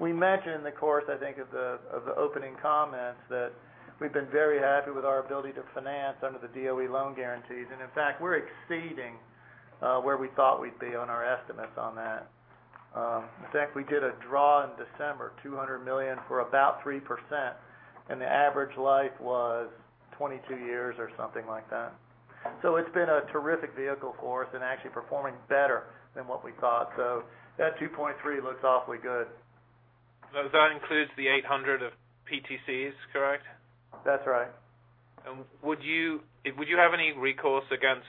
We mentioned in the course, I think, of the opening comments that we've been very happy with our ability to finance under the DOE loan guarantees. In fact, we're exceeding where we thought we'd be on our estimates on that. In fact, we did a draw in December, $200 million for about 3%, and the average life was 22 years or something like that. It's been a terrific vehicle for us and actually performing better than what we thought. That $2.3 looks awfully good. That includes the $800 of PTCs, correct? That's right. Would you have any recourse against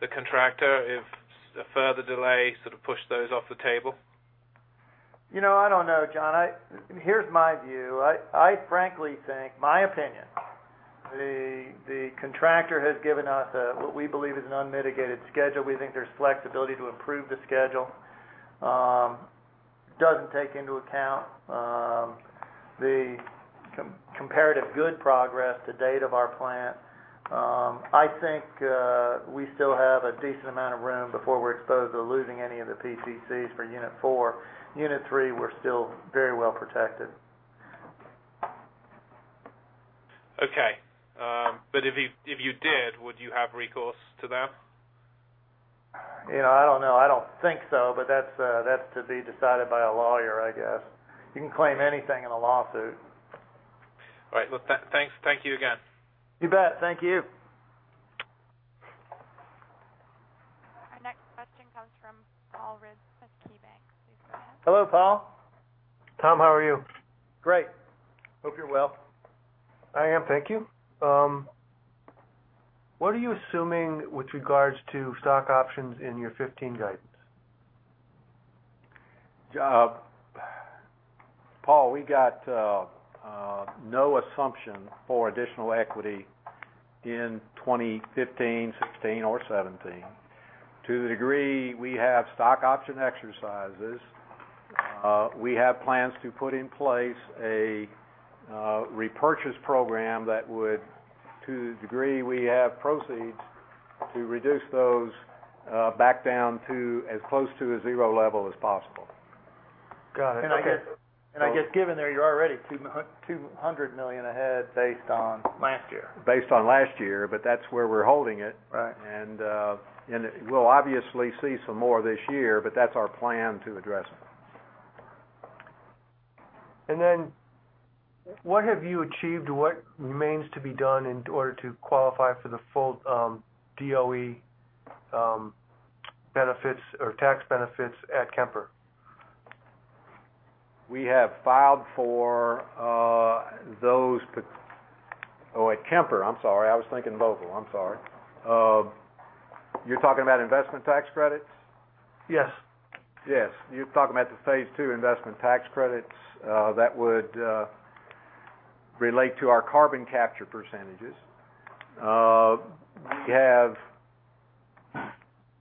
the contractor if a further delay sort of pushed those off the table? I don't know, John. Here's my view. I frankly think, my opinion, the contractor has given us what we believe is an unmitigated schedule. We think there's flexibility to improve the schedule. Doesn't take into account the comparative good progress to date of our plant. I think we still have a decent amount of room before we're exposed to losing any of the PTCs for unit 4. Unit 3, we're still very well protected. Okay. If you did, would you have recourse to them? I don't know. I don't think so, but that's to be decided by a lawyer, I guess. You can claim anything in a lawsuit. All right. Well, thank you again. You bet. Thank you. Our next question comes from Paul Ridzon of KeyBanc. Please go ahead. Hello, Paul. Tom, how are you? Great. Hope you're well. I am. Thank you. What are you assuming with regards to stock options in your 2015 guidance? Paul, we got no assumption for additional equity in 2015, 2016, or 2017. To the degree we have stock option exercises, we have plans to put in place a repurchase program that would, to the degree we have proceeds, to reduce those back down to as close to a zero level as possible. Got it. Okay. I guess given there, you're already $200 million ahead based on last year. Based on last year, that's where we're holding it. Right. We'll obviously see some more this year, that's our plan to address it. What have you achieved? What remains to be done in order to qualify for the full DOE benefits or tax benefits at Kemper? We have filed for those Oh, at Kemper. I'm sorry. I was thinking Vogtle. I'm sorry. You're talking about investment tax credits? Yes. Yes. You're talking about the phase two investment tax credits that would relate to our carbon capture percentage. Right.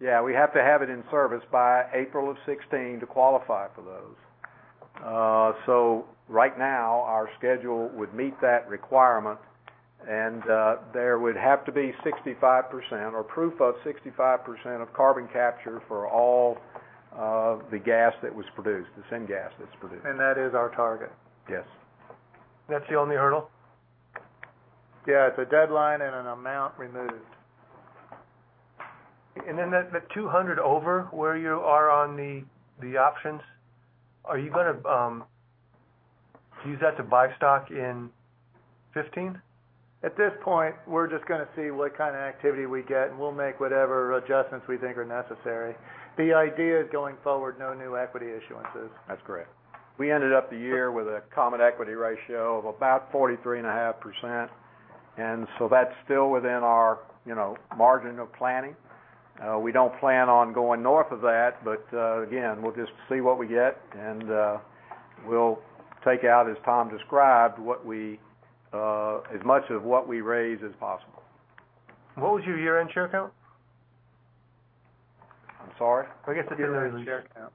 Yeah, we have to have it in service by April of 2016 to qualify for those. Right now, our schedule would meet that requirement, and there would have to be 65% or proof of 65% of carbon capture for all of the gas that was produced, the syngas that's produced. That is our target? Yes. That's the only hurdle? Yeah, it's a deadline and an amount removed. The 200 over where you are on the options, are you going to use that to buy stock in 2015? At this point, we're just going to see what kind of activity we get, and we'll make whatever adjustments we think are necessary. The idea is going forward, no new equity issuances. That's great. We ended up the year with a common equity ratio of about 43.5%. That's still within our margin of planning. We don't plan on going north of that, but again, we'll just see what we get and we'll take out, as Tom described, as much of what we raise as possible. What was your year-end share count? I'm sorry? I guess the year-end share count.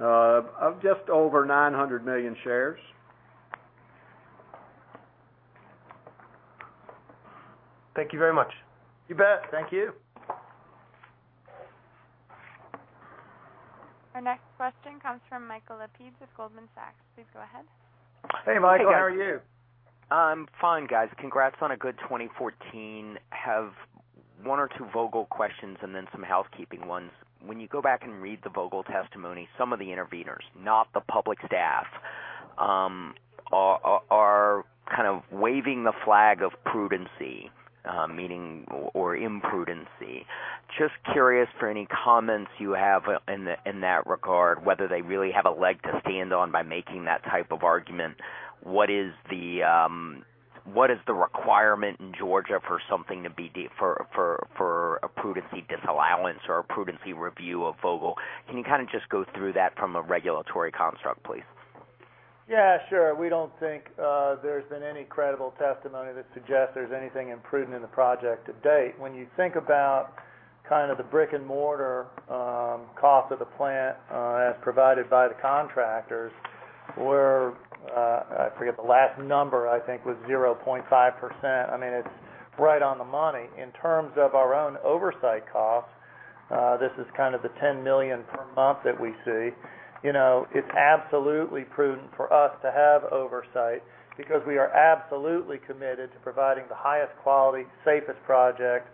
Of just over 900 million shares. Thank you very much. You bet. Thank you. Our next question comes from Michael Lapides of Goldman Sachs. Please go ahead. Hey, Michael. How are you? I'm fine, guys. Congrats on a good 2014. Have one or two Vogtle questions and then some housekeeping ones. When you go back and read the Vogtle testimony, some of the interveners, not the public staff, are kind of waving the flag of prudency, meaning or imprudency. Just curious for any comments you have in that regard, whether they really have a leg to stand on by making that type of argument. What is the requirement in Georgia for a prudency disallowance or a prudency review of Vogtle? Can you kind of just go through that from a regulatory construct, please? Yeah, sure. We don't think there's been any credible testimony that suggests there's anything imprudent in the project to date. When you think about kind of the brick and mortar cost of the plant as provided by the contractors, where I forget the last number, I think was 0.5%. It's right on the money. In terms of our own oversight costs, this is kind of the $10 million per month that we see. It's absolutely prudent for us to have oversight because we are absolutely committed to providing the highest quality, safest project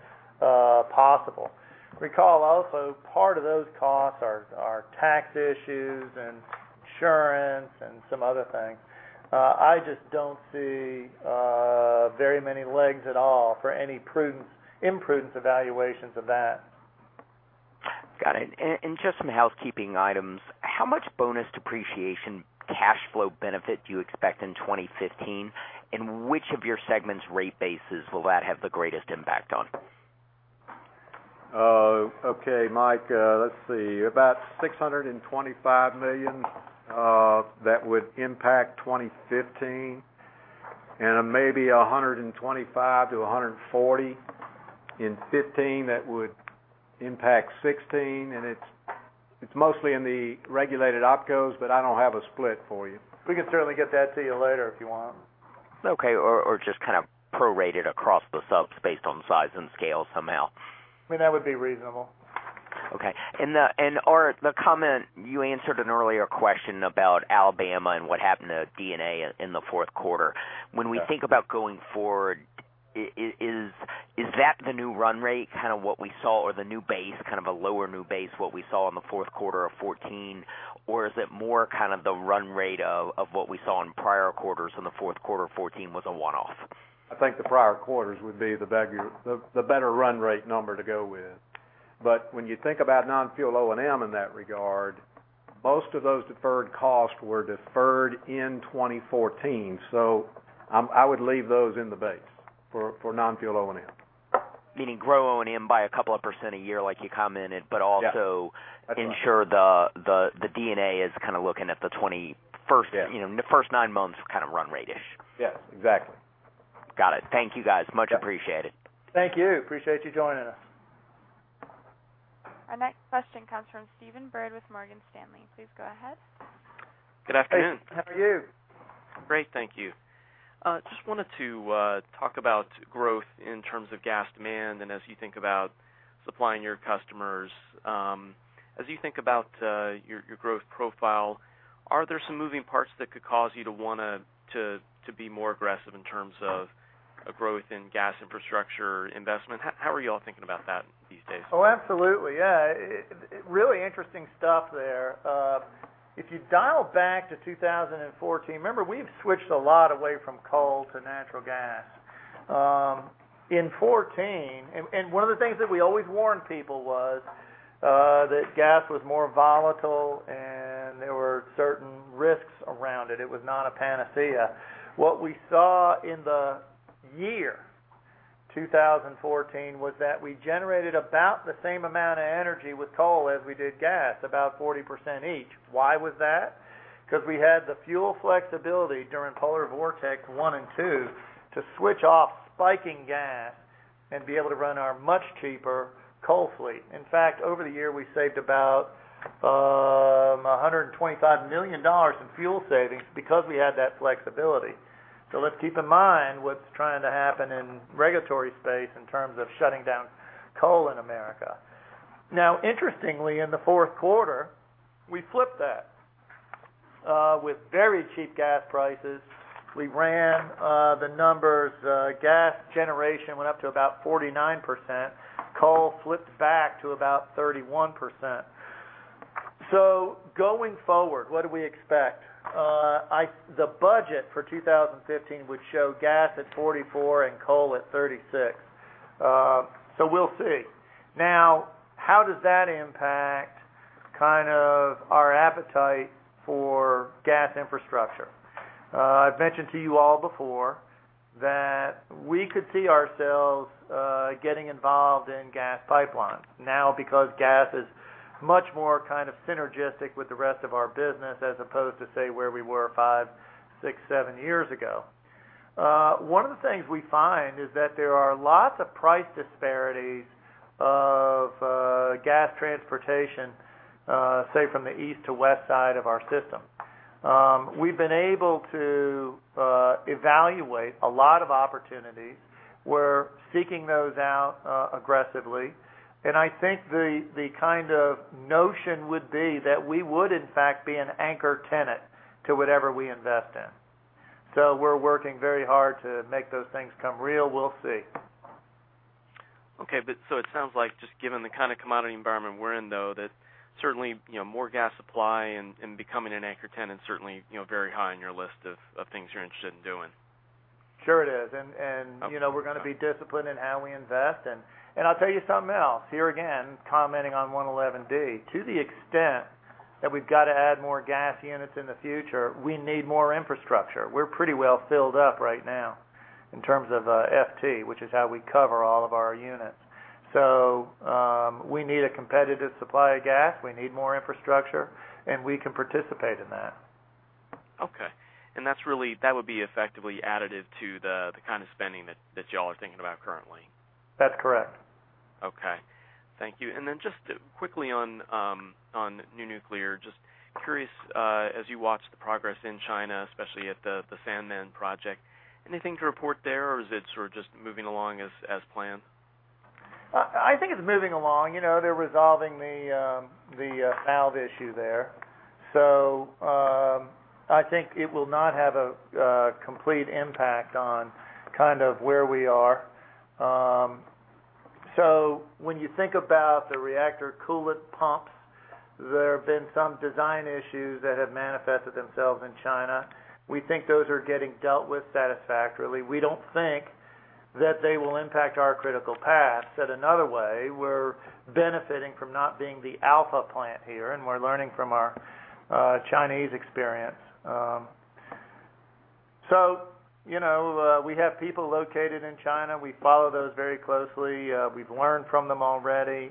possible. Recall also, part of those costs are tax issues and insurance and some other things. I just don't see very many legs at all for any imprudence evaluations of that. Got it. Just some housekeeping items. How much bonus depreciation cash flow benefit do you expect in 2015? Which of your segments rate bases will that have the greatest impact on? Okay, Mike. Let's see. About $625 million that would impact 2015, maybe $125-$140 in 2015 that would impact 2016. It's mostly in the regulated Opcos, but I don't have a split for you. We can certainly get that to you later if you want. Okay. Just kind of prorate it across the subs based on size and scale somehow. That would be reasonable. Okay. Art, the comment, you answered an earlier question about Alabama and what happened to D&A in the fourth quarter. Yeah. When we think about going forward, is that the new run rate, what we saw, or the new base, kind of a lower new base, what we saw in the fourth quarter of 2014? Is it more the run rate of what we saw in prior quarters, and the fourth quarter of 2014 was a one-off? I think the prior quarters would be the better run rate number to go with. When you think about non-fuel O&M in that regard, most of those deferred costs were deferred in 2014. I would leave those in the base for non-fuel O&M. Meaning grow O&M by a couple of percent a year like you commented. Yeah. That's right. Also ensure the D&A is looking at the first nine months run rate-ish. Yes, exactly. Got it. Thank you guys much. Appreciate it. Thank you. Appreciate you joining us. Our next question comes from Stephen Byrd with Morgan Stanley. Please go ahead. Good afternoon. How are you? Great, thank you. Just wanted to talk about growth in terms of gas demand, and as you think about supplying your customers. As you think about your growth profile, are there some moving parts that could cause you to want to be more aggressive in terms of a growth in gas infrastructure investment? How are you all thinking about that these days? Oh, absolutely. Yeah. Really interesting stuff there. If you dial back to 2014, remember, we've switched a lot away from coal to natural gas. In 2014, one of the things that we always warned people was that gas was more volatile, and there were certain risks around it. It was not a panacea. What we saw in the year 2014 was that we generated about the same amount of energy with coal as we did gas, about 40% each. Why was that? Because we had the fuel flexibility during polar vortex one and two to switch off spiking gas and be able to run our much cheaper coal fleet. In fact, over the year, we saved about $125 million in fuel savings because we had that flexibility. Let's keep in mind what's trying to happen in regulatory space in terms of shutting down coal in America. Interestingly, in the fourth quarter, we flipped that. With very cheap gas prices, we ran the numbers. Gas generation went up to about 49%. Coal flipped back to about 31%. Going forward, what do we expect? The budget for 2015 would show gas at 44% and coal at 36%. We'll see. How does that impact our appetite for gas infrastructure? I've mentioned to you all before that we could see ourselves getting involved in gas pipelines. Because gas is much more synergistic with the rest of our business, as opposed to, say, where we were five, six, seven years ago. One of the things we find is that there are lots of price disparities of gas transportation, say from the east to west side of our system. We've been able to evaluate a lot of opportunities. We're seeking those out aggressively. I think the kind of notion would be that we would in fact be an anchor tenant to whatever we invest in. We're working very hard to make those things come real. We'll see. Okay. It sounds like just given the kind of commodity environment we're in, though, that certainly more gas supply and becoming an anchor tenant, certainly very high on your list of things you're interested in doing. Sure it is. We're going to be disciplined in how we invest. I'll tell you something else. Here again, commenting on 111d, to the extent that we've got to add more gas units in the future, we need more infrastructure. We're pretty well filled up right now in terms of FT, which is how we cover all of our units. We need a competitive supply of gas. We need more infrastructure, and we can participate in that. Okay. That would be effectively additive to the kind of spending that you all are thinking about currently. That's correct. Okay. Thank you. Then just quickly on new nuclear, just curious, as you watch the progress in China, especially at the Sanmen project, anything to report there, or is it just moving along as planned? I think it's moving along. They're resolving the valve issue there. I think it will not have a complete impact on where we are. When you think about the reactor coolant pumps, there have been some design issues that have manifested themselves in China. We think those are getting dealt with satisfactorily. We don't think that they will impact our critical path. Said another way, we're benefiting from not being the alpha plant here, and we're learning from our Chinese experience. We have people located in China. We follow those very closely. We've learned from them already.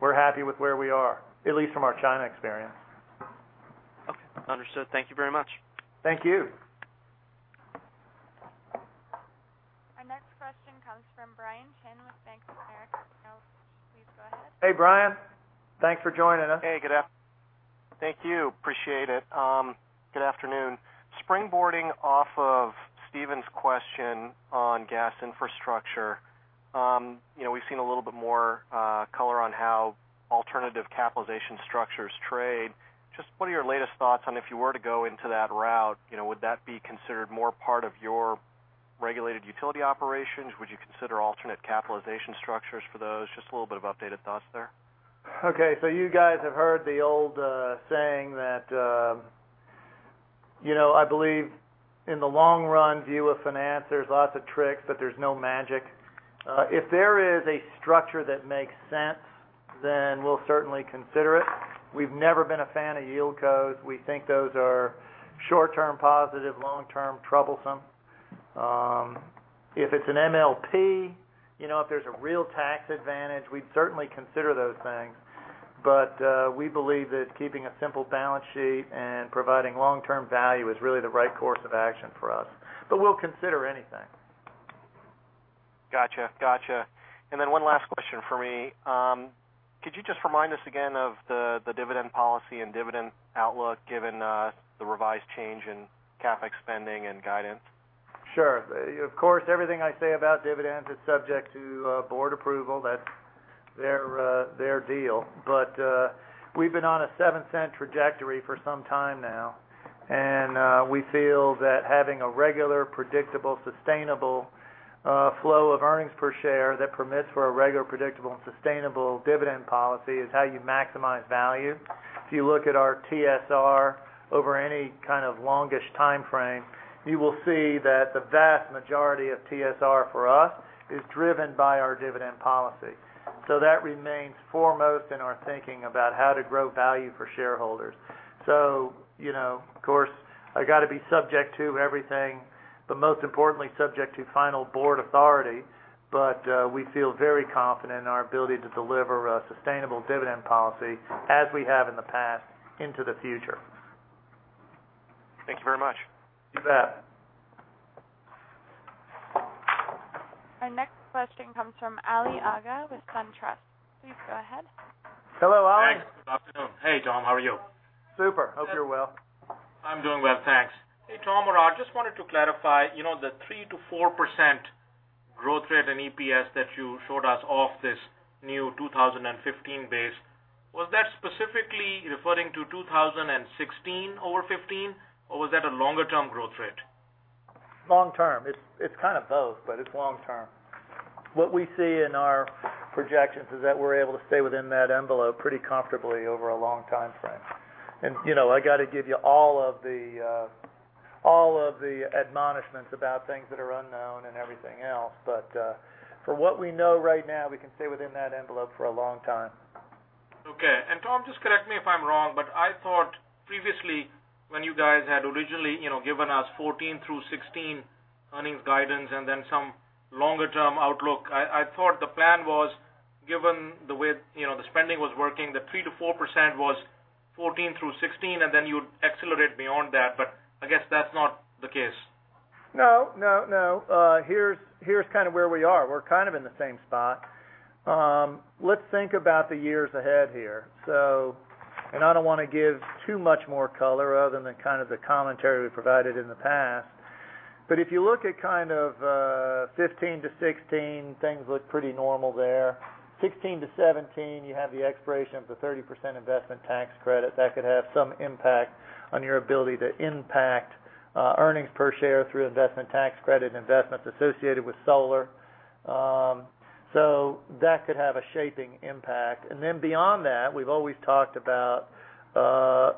We're happy with where we are, at least from our China experience. Okay. Understood. Thank you very much. Thank you. Our next question comes from Brian Chin with Bank of America. Brian, please go ahead. Hey, Brian. Thanks for joining us. Hey, good afternoon. Thank you. Appreciate it. Good afternoon. Springboarding off of Stephen's question on gas infrastructure. We've seen a little bit more color on how alternative capitalization structures trade. Just what are your latest thoughts on if you were to go into that route, would that be considered more part of your regulated utility operations? Would you consider alternate capitalization structures for those? Just a little bit of updated thoughts there. Okay, you guys have heard the old saying that I believe in the long run view of finance, there's lots of tricks, but there's no magic. If there is a structure that makes sense, then we'll certainly consider it. We've never been a fan of yieldcos. We think those are short-term positive, long-term troublesome. If it's an MLP, if there's a real tax advantage, we'd certainly consider those things. We believe that keeping a simple balance sheet and providing long-term value is really the right course of action for us. We'll consider anything. Got you. One last question from me. Could you just remind us again of the dividend policy and dividend outlook given the revised change in CapEx spending and guidance? Sure. Of course, everything I say about dividends is subject to board approval. That's their deal. We've been on a $0.07 trajectory for some time now, and we feel that having a regular, predictable, sustainable flow of earnings per share that permits for a regular, predictable, and sustainable dividend policy is how you maximize value. If you look at our TSR over any kind of longish time frame, you will see that the vast majority of TSR for us is driven by our dividend policy. That remains foremost in our thinking about how to grow value for shareholders. Of course, I've got to be subject to everything, but most importantly, subject to final board authority. We feel very confident in our ability to deliver a sustainable dividend policy, as we have in the past, into the future. Thank you very much. You bet. Our next question comes from Ali Agha with SunTrust. Please go ahead. Hello, Ali. Thanks. Good afternoon. Hey, Tom, how are you? Super. Hope you're well. I'm doing well, thanks. Hey, Tom, I just wanted to clarify the 3%-4% growth rate in EPS that you showed us off this new 2015 base. Was that specifically referring to 2016 over 2015, or was that a longer-term growth rate? Long-term. It's kind of both, it's long-term. What we see in our projections is that we're able to stay within that envelope pretty comfortably over a long time frame. I've got to give you all of the admonishments about things that are unknown and everything else. From what we know right now, we can stay within that envelope for a long time. Okay. Tom, just correct me if I'm wrong, I thought previously when you guys had originally given us 2014 through 2016 earnings guidance and then some longer-term outlook, I thought the plan was given the way the spending was working, the 3%-4% was 2014 through 2016, and then you'd accelerate beyond that. I guess that's not the case. No. Here's where we are. We're kind of in the same spot. Let's think about the years ahead here. I don't want to give too much more color other than kind of the commentary we provided in the past. If you look at 2015 to 2016, things look pretty normal there. 2016 to 2017, you have the expiration of the 30% investment tax credit. That could have some impact on your ability to impact earnings per share through investment tax credit and investments associated with solar. That could have a shaping impact. Then beyond that, we've always talked about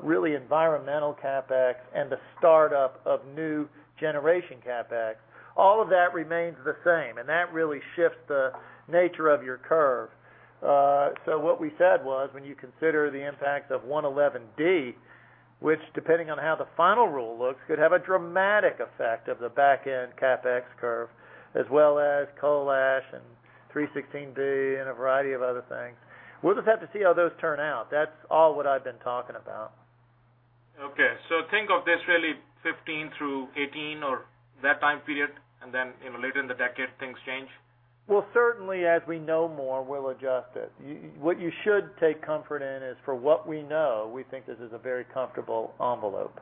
really environmental CapEx and the startup of new generation CapEx. All of that remains the same, and that really shifts the nature of your curve. What we said was, when you consider the impact of 111D, which depending on how the final rule looks, could have a dramatic effect of the back-end CapEx curve, as well as coal ash and 316B and a variety of other things. We'll just have to see how those turn out. That's all what I've been talking about. Okay. Think of this really 2015 through 2018 or that time period, later in the decade, things change? Well, certainly as we know more, we'll adjust it. What you should take comfort in is for what we know, we think this is a very comfortable envelope.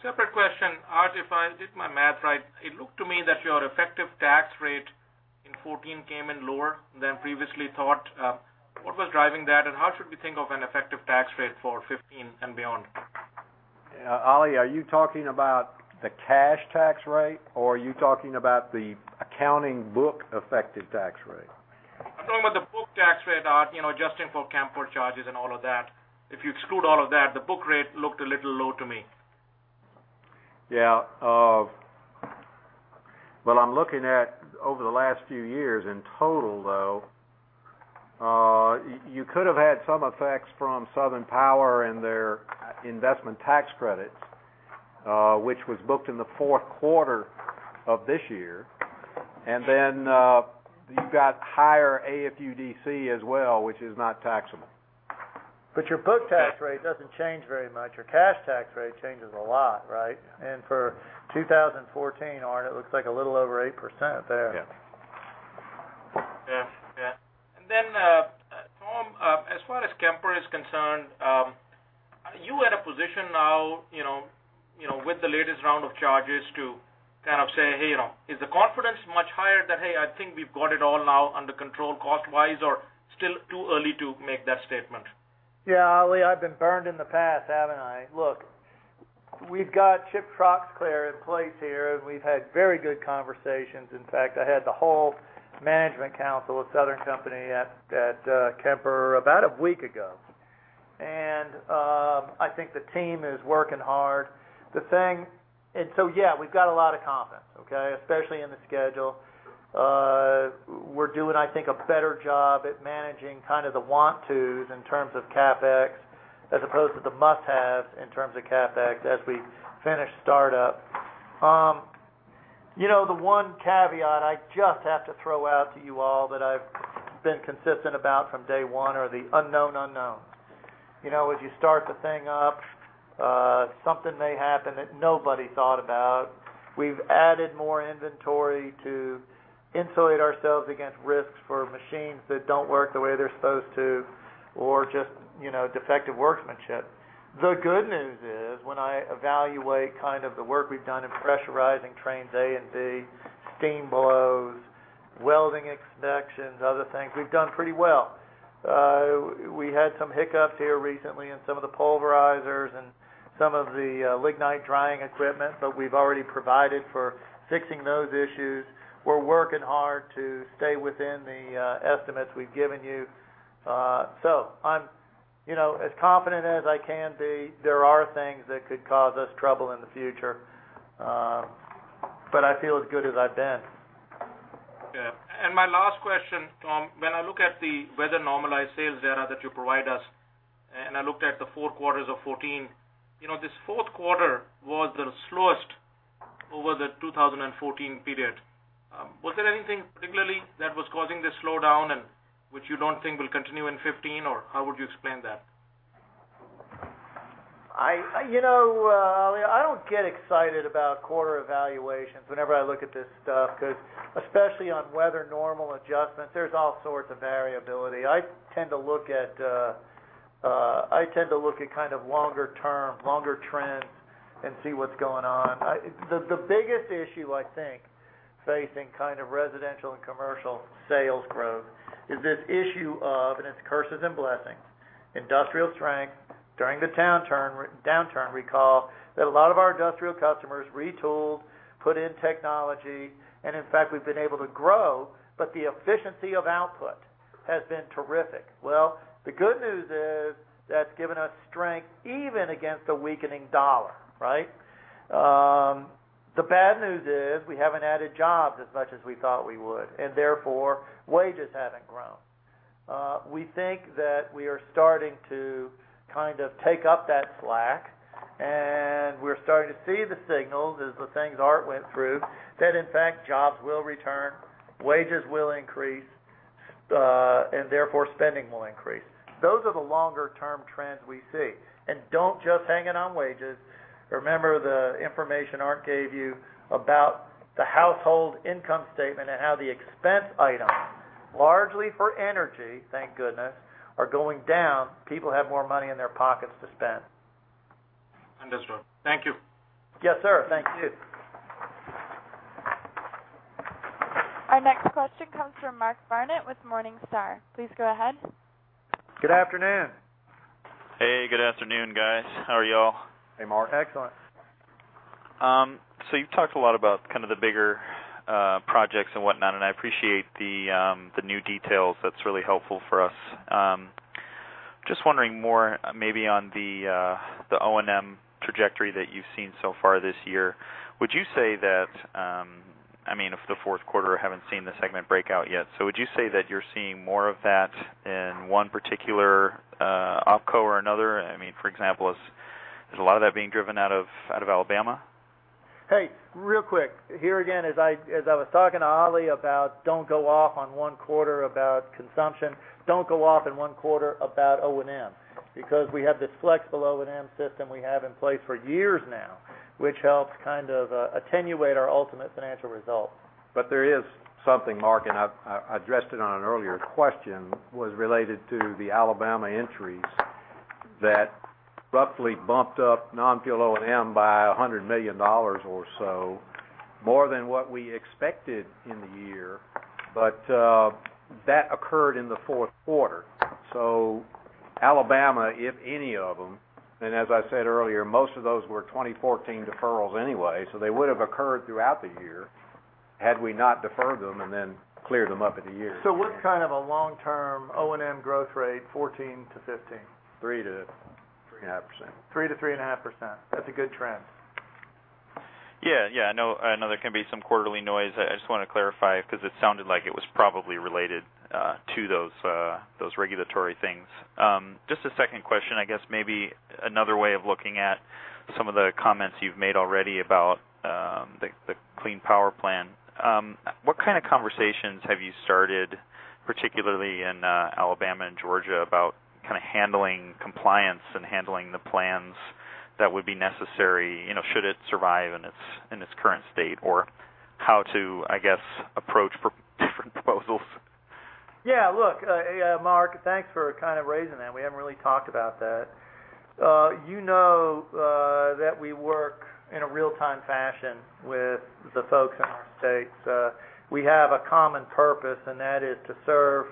Separate question. Art, if I did my math right, it looked to me that your effective tax rate in 2014 came in lower than previously thought. What was driving that, and how should we think of an effective tax rate for 2015 and beyond? Ali, are you talking about the cash tax rate or are you talking about the accounting book effective tax rate? I'm talking about the book tax rate, Art, adjusting for Kemper charges and all of that. If you exclude all of that, the book rate looked a little low to me. Yeah. What I'm looking at over the last few years in total, though, you could have had some effects from Southern Power and their investment tax credits, which was booked in the fourth quarter of this year. You've got higher AFUDC as well, which is not taxable. Your book tax rate doesn't change very much. Your cash tax rate changes a lot, right? For 2014, Art, it looks like a little over 8% there. Yeah. Yeah. Tom, as far as Kemper is concerned, are you at a position now with the latest round of charges to say, "Hey," is the confidence much higher that, "Hey, I think we've got it all now under control cost-wise," or still too early to make that statement? Yeah, Ali, I've been burned in the past, haven't I? Look, we've got Chip Troxclair in place here, and we've had very good conversations. In fact, I had the whole management council of Southern Company at Kemper about a week ago. I think the team is working hard. Yeah, we've got a lot of confidence, okay? Especially in the schedule. We're doing, I think, a better job at managing the want tos in terms of CapEx, as opposed to the must-haves in terms of CapEx as we finish startup. The one caveat I just have to throw out to you all that I've been consistent about from day one are the unknown unknowns. As you start the thing up, something may happen that nobody thought about. We've added more inventory to insulate ourselves against risks for machines that don't work the way they're supposed to or just defective workmanship. The good news is, when I evaluate the work we've done in pressurizing trains A and B, steam blows, welding inspections, other things, we've done pretty well. We had some hiccups here recently in some of the pulverizers and some of the lignite drying equipment, but we've already provided for fixing those issues. We're working hard to stay within the estimates we've given you. I'm as confident as I can be. There are things that could cause us trouble in the future. I feel as good as I've been. Yeah. My last question, Tom, when I look at the weather-normalized sales data that you provide us, I looked at the 4 quarters of 2014, this fourth quarter was the slowest over the 2014 period. Was there anything particularly that was causing this slowdown which you don't think will continue in 2015, or how would you explain that? Ali, I don't get excited about quarter evaluations whenever I look at this stuff, because especially on weather normal adjustments, there's all sorts of variability. I tend to look at longer term, longer trends and see what's going on. The biggest issue, I think, facing residential and commercial sales growth is this issue of, and it's curses and blessings, industrial strength during the downturn. Recall that a lot of our industrial customers retooled, put in technology, in fact, we've been able to grow, but the efficiency of output has been terrific. The good news is that's given us strength even against a weakening dollar, right? The bad news is we haven't added jobs as much as we thought we would, therefore, wages haven't grown. We think that we are starting to take up that slack, we're starting to see the signals as the things Art went through, that in fact, jobs will return, wages will increase, therefore spending will increase. Those are the longer-term trends we see. Don't just hang it on wages. Remember the information Art gave you about the household income statement and how the expense items, largely for energy, thank goodness, are going down. People have more money in their pockets to spend. Understood. Thank you. Yes, sir. Thank you. Our next question comes from Mark Barnett with Morningstar. Please go ahead. Good afternoon. Hey, good afternoon, guys. How are y'all? Hey, Mark. Excellent. You've talked a lot about the bigger projects and whatnot, and I appreciate the new details. That's really helpful for us. Just wondering more maybe on the O&M trajectory that you've seen so far this year. Would you say that, if the fourth quarter haven't seen the segment breakout yet, so would you say that you're seeing more of that in one particular opco or another? For example, is a lot of that being driven out of Alabama? Hey, real quick. Here again, as I was talking to Ali about don't go off on one quarter about consumption, don't go off in one quarter about O&M because we have this flexible O&M system we have in place for years now, which helps attenuate our ultimate financial results. There is something, Mark, I addressed it on an earlier question, was related to the Alabama entries. That roughly bumped up non-fuel O&M by $100 million or so, more than what we expected in the year. That occurred in the fourth quarter. Alabama, if any of them, as I said earlier, most of those were 2014 deferrals anyway, they would have occurred throughout the year had we not deferred them and then cleared them up at the year. What kind of a long-term O&M growth rate 2014 to 2015? 3%-3.5%. 3%-3.5%. That's a good trend. I know there can be some quarterly noise. I just want to clarify because it sounded like it was probably related to those regulatory things. Just a second question, I guess maybe another way of looking at some of the comments you've made already about the Clean Power Plan. What kind of conversations have you started, particularly in Alabama and Georgia, about handling compliance and handling the plans that would be necessary should it survive in its current state? Or how to, I guess, approach different proposals? Look, Mark, thanks for raising that. We haven't really talked about that. You know that we work in a real-time fashion with the folks in our states. We have a common purpose, that is to serve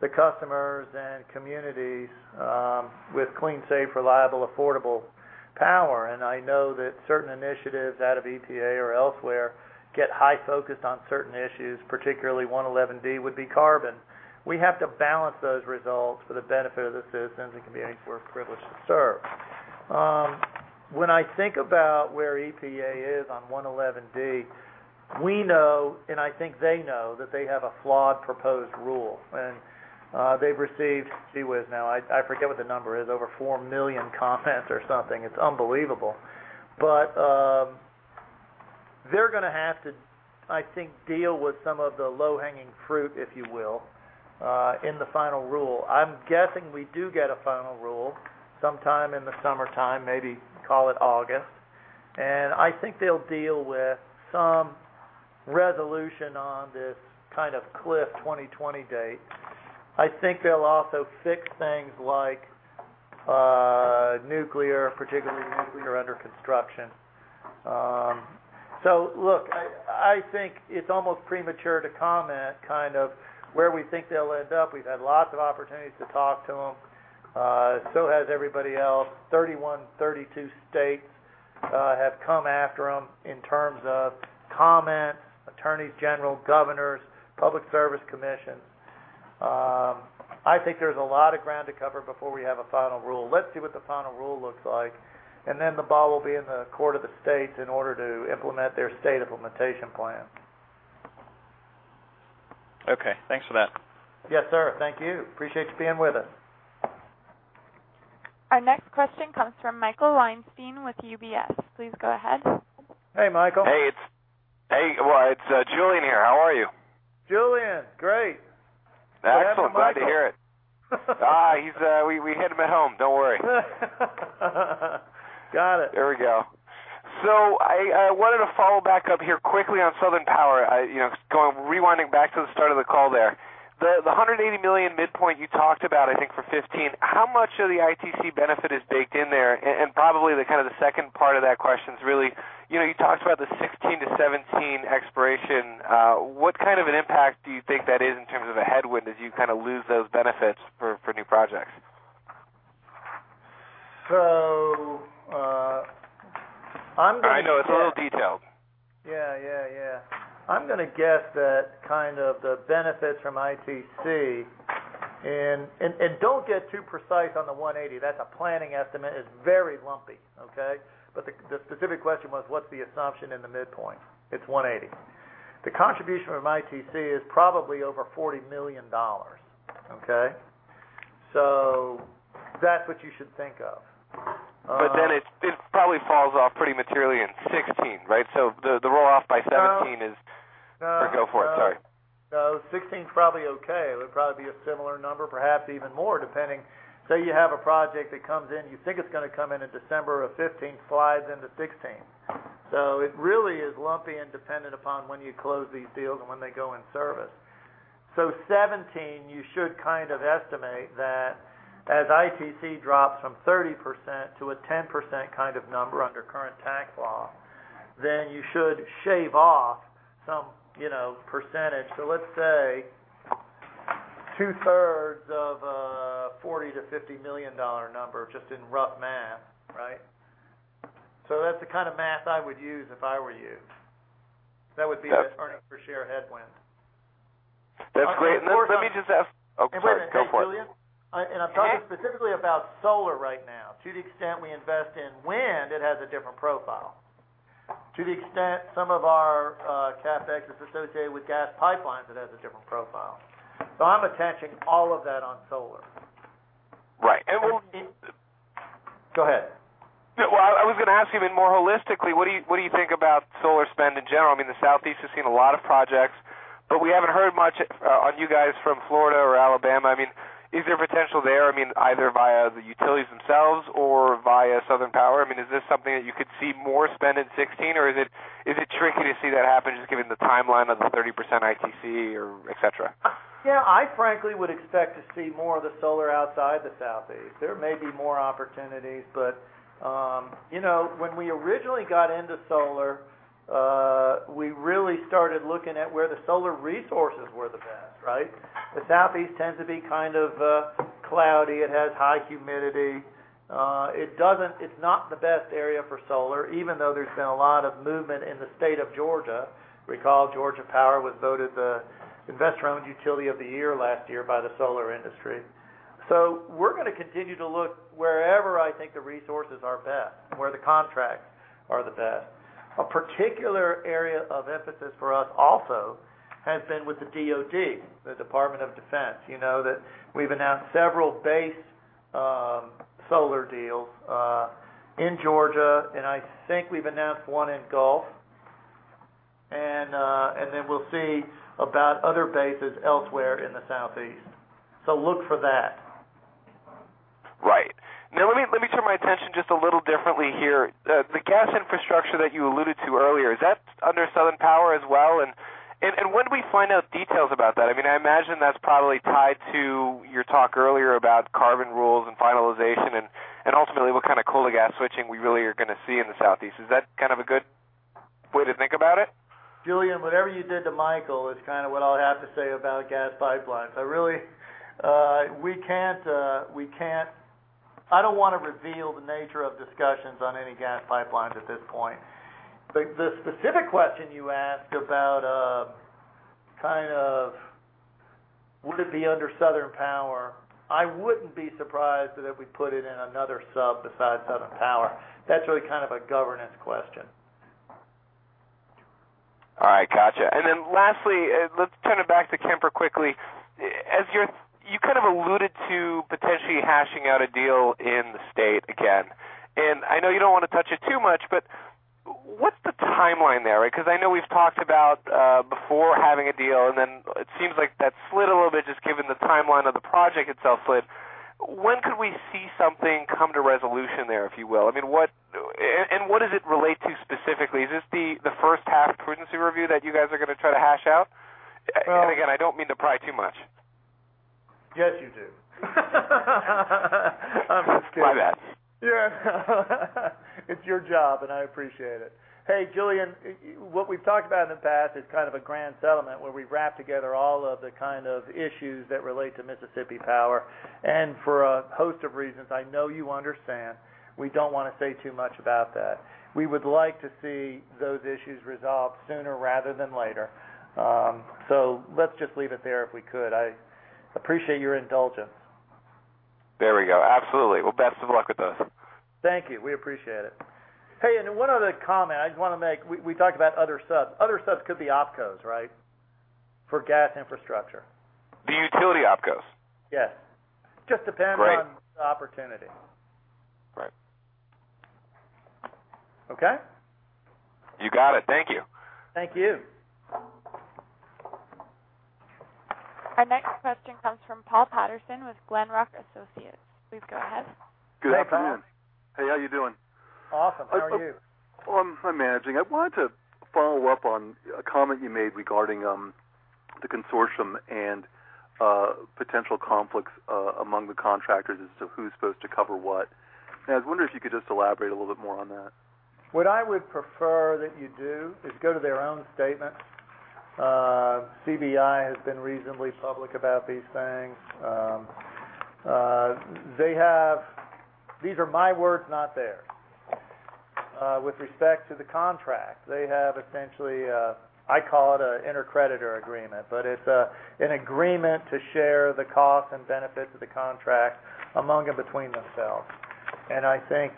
the customers and communities with clean, safe, reliable, affordable power. I know that certain initiatives out of EPA or elsewhere get high focused on certain issues, particularly 111D would be carbon. We have to balance those results for the benefit of the citizens and communities we're privileged to serve. When I think about where EPA is on 111D, we know, I think they know, that they have a flawed proposed rule. They've received, gee whiz, now I forget what the number is, over 4 million comments or something. It's unbelievable. They're going to have to, I think, deal with some of the low-hanging fruit, if you will, in the final rule. I'm guessing we do get a final rule sometime in the summertime, maybe call it August. I think they'll deal with some resolution on this cliff 2020 date. I think they'll also fix things like nuclear, particularly nuclear under construction. Look, I think it's almost premature to comment where we think they'll end up. We've had lots of opportunities to talk to them. Has everybody else. 31, 32 states have come after them in terms of comments, attorneys general, governors, public service commissions. I think there's a lot of ground to cover before we have a final rule. Let's see what the final rule looks like, and then the ball will be in the court of the states in order to implement their state implementation plan. Okay, thanks for that. Yes, sir. Thank you. Appreciate you being with us. Our next question comes from Michael Weinstein with UBS. Please go ahead. Hey, Michael. Hey. Well, it's Julien here. How are you? Julien, great. Excellent. Glad to hear it. What happened to Michael? We hid him at home. Don't worry. Got it. There we go. I wanted to follow back up here quickly on Southern Power, rewinding back to the start of the call there. The $180 million midpoint you talked about, I think, for 2015, how much of the ITC benefit is baked in there? Probably the second part of that question is really, you talked about the 2016 to 2017 expiration. What kind of an impact do you think that is in terms of a headwind as you lose those benefits for new projects? I'm going to guess. I know it's a little detailed. Yeah. I'm going to guess that the benefits from ITC. Don't get too precise on the $180. That's a planning estimate. It's very lumpy. Okay. The specific question was, what's the assumption in the midpoint? It's $180. The contribution from ITC is probably over $40 million. Okay. That's what you should think of. It probably falls off pretty materially in 2016, right? The roll-off by 2017 is- No. Go for it, sorry. No, 2016's probably okay. It would probably be a similar number, perhaps even more, depending. Say you have a project that comes in, you think it's going to come in in December of 2015, slides into 2016. It really is lumpy and dependent upon when you close these deals and when they go in service. 2017, you should estimate that as ITC drops from 30% to a 10% number under current tax law, you should shave off some percentage. Let's say two-thirds of a $40 million-$50 million number, just in rough math, right? That's the kind of math I would use if I were you. That would be the earnings per share headwind. That's great. Let me just ask. Oh, sorry. Go for it. Wait a minute. Thanks, Julien. Yeah. I'm talking specifically about solar right now. To the extent we invest in wind, it has a different profile. To the extent some of our CapEx is associated with gas pipelines, it has a different profile. I'm attaching all of that on solar. Right. Go ahead. Well, I was going to ask you even more holistically, what do you think about solar spend in general? I mean, the Southeast has seen a lot of projects. We haven't heard much on you guys from Florida or Alabama. Is there potential there, either via the utilities themselves or via Southern Power? Is this something that you could see more spend in 2016? Or is it tricky to see that happen, just given the timeline of the 30% ITC, et cetera? Yeah, I frankly would expect to see more of the solar outside the Southeast. There may be more opportunities, but when we originally got into solar, we really started looking at where the solar resources were the best, right? The Southeast tends to be kind of cloudy. It has high humidity. It's not the best area for solar, even though there's been a lot of movement in the state of Georgia. Recall, Georgia Power was voted the investor-owned utility of the year last year by the solar industry. We're going to continue to look wherever I think the resources are best, and where the contracts are the best. A particular area of emphasis for us also has been with the DoD, the Department of Defense. You know that we've announced several base solar deals in Georgia, and I think we've announced one in Gulf. We'll see about other bases elsewhere in the Southeast. Look for that. Right. Now let me turn my attention just a little differently here. The gas infrastructure that you alluded to earlier, is that under Southern Power as well? When do we find out details about that? I imagine that's probably tied to your talk earlier about carbon rules and finalization and ultimately what kind of coal-to-gas switching we really are going to see in the Southeast. Is that kind of a good way to think about it? Julien, whatever you did to Michael is kind of what I'll have to say about gas pipelines. I don't want to reveal the nature of discussions on any gas pipelines at this point. The specific question you asked about would it be under Southern Power, I wouldn't be surprised that if we put it in another sub besides Southern Power. That's really kind of a governance question. All right. Gotcha. Lastly, let's turn it back to Kemper quickly. You kind of alluded to potentially hashing out a deal in the state again, and I know you don't want to touch it too much, but what's the timeline there? I know we've talked about before having a deal, and then it seems like that slid a little bit, just given the timeline of the project itself slid. When could we see something come to resolution there, if you will? What does it relate to specifically? Is this the first half prudency review that you guys are going to try to hash out? Again, I don't mean to pry too much. Yes, you do. I'm just kidding. My bad. Yeah. It's your job, and I appreciate it. Hey, Julien, what we've talked about in the past is kind of a grand settlement where we wrap together all of the kind of issues that relate to Mississippi Power. For a host of reasons, I know you understand, we don't want to say too much about that. We would like to see those issues resolved sooner rather than later. Let's just leave it there, if we could. I appreciate your indulgence. There we go. Absolutely. Best of luck with this. Thank you. We appreciate it. Hey, one other comment I just want to make. We talked about other subs. Other subs could be Opcos, right? For gas infrastructure. The utility Opcos? Yes. Just depends on. Right the opportunity. Right. Okay? You got it. Thank you. Thank you. Our next question comes from Paul Patterson with Glenrock Associates. Please go ahead. Hey, Paul. Good afternoon. Hey, how are you doing? Awesome. How are you? I'm managing. I wanted to follow up on a comment you made regarding the consortium and potential conflicts among the contractors as to who's supposed to cover what. I was wondering if you could just elaborate a little bit more on that. What I would prefer that you do is go to their own statement. CBI has been reasonably public about these things. These are my words, not theirs. With respect to the contract, they have essentially, I call it an inter-creditor agreement, but it's an agreement to share the cost and benefits of the contract among and between themselves. I think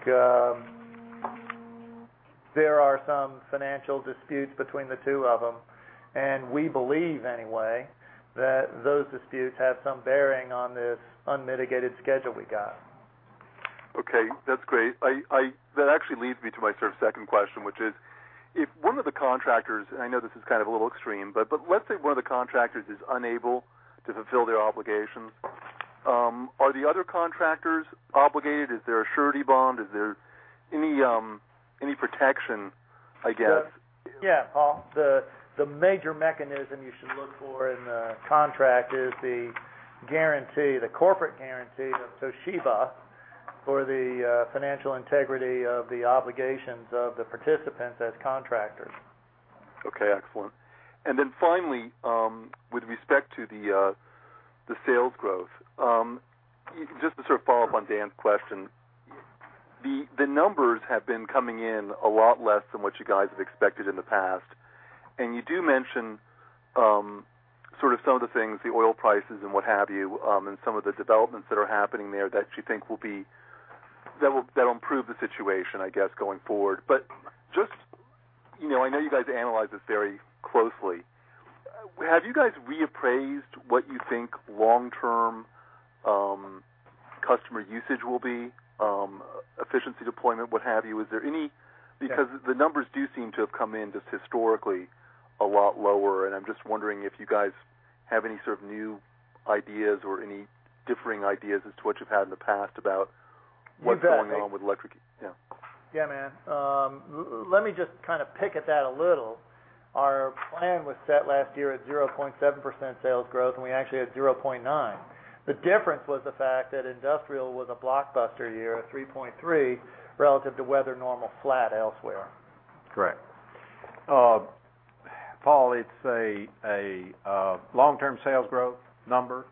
there are some financial disputes between the two of them, we believe anyway, that those disputes have some bearing on this unmitigated schedule we got. Okay. That's great. That actually leads me to my sort of second question, which is, if one of the contractors, I know this is kind of a little extreme, but let's say one of the contractors is unable to fulfill their obligations. Are the other contractors obligated? Is there a surety bond? Is there any protection, I guess? Yeah, Paul. The major mechanism you should look for in the contract is the corporate guarantee of Toshiba for the financial integrity of the obligations of the participants as contractors. Okay. Excellent. Finally, with respect to the sales growth, just to sort of follow up on Dan's question. The numbers have been coming in a lot less than what you guys have expected in the past. You do mention sort of some of the things, the oil prices and what have you, and some of the developments that are happening there that you think that'll improve the situation, I guess, going forward. I know you guys analyze this very closely. Have you guys reappraised what you think long-term Customer usage will be efficiency deployment, what have you. Is there any- Yeah. The numbers do seem to have come in just historically a lot lower, I'm just wondering if you guys have any sort of new ideas or any differing ideas as to what you've had in the past about what's going on with electric. Yeah. Yeah, man. Let me just kind of pick at that a little. Our plan was set last year at 0.7% sales growth, we actually had 0.9. The difference was the fact that industrial was a blockbuster year at 3.3% relative to weather normal flat elsewhere. Correct. Paul, it's a long-term sales growth number.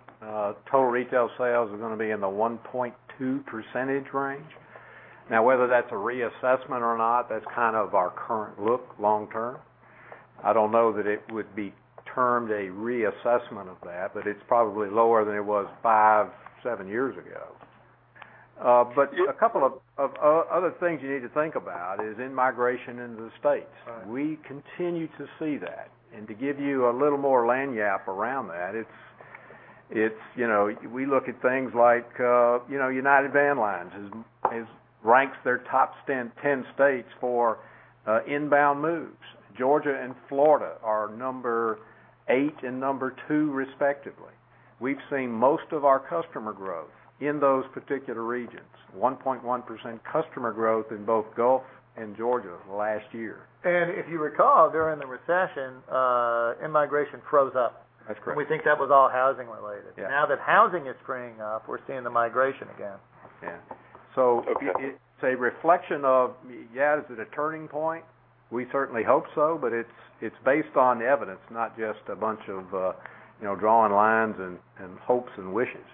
Total retail sales are going to be in the 1.2% range. Whether that's a reassessment or not, that's kind of our current look long term. I don't know that it would be termed a reassessment of that, it's probably lower than it was five, seven years ago. A couple of other things you need to think about is in-migration into the States. Right. We continue to see that. To give you a little more lagniappe around that, we look at things like United Van Lines ranks their top 10 states for inbound moves. Georgia and Florida are number 8 and number 2 respectively. 1.1% customer growth in both Gulf and Georgia last year. If you recall, during the recession, in-migration froze up. That's correct. We think that was all housing related. Yeah. Now that housing is springing up, we're seeing the migration again. Yeah. It's a reflection of, is it a turning point? We certainly hope so, but it's based on evidence, not just a bunch of drawing lines and hopes and wishes.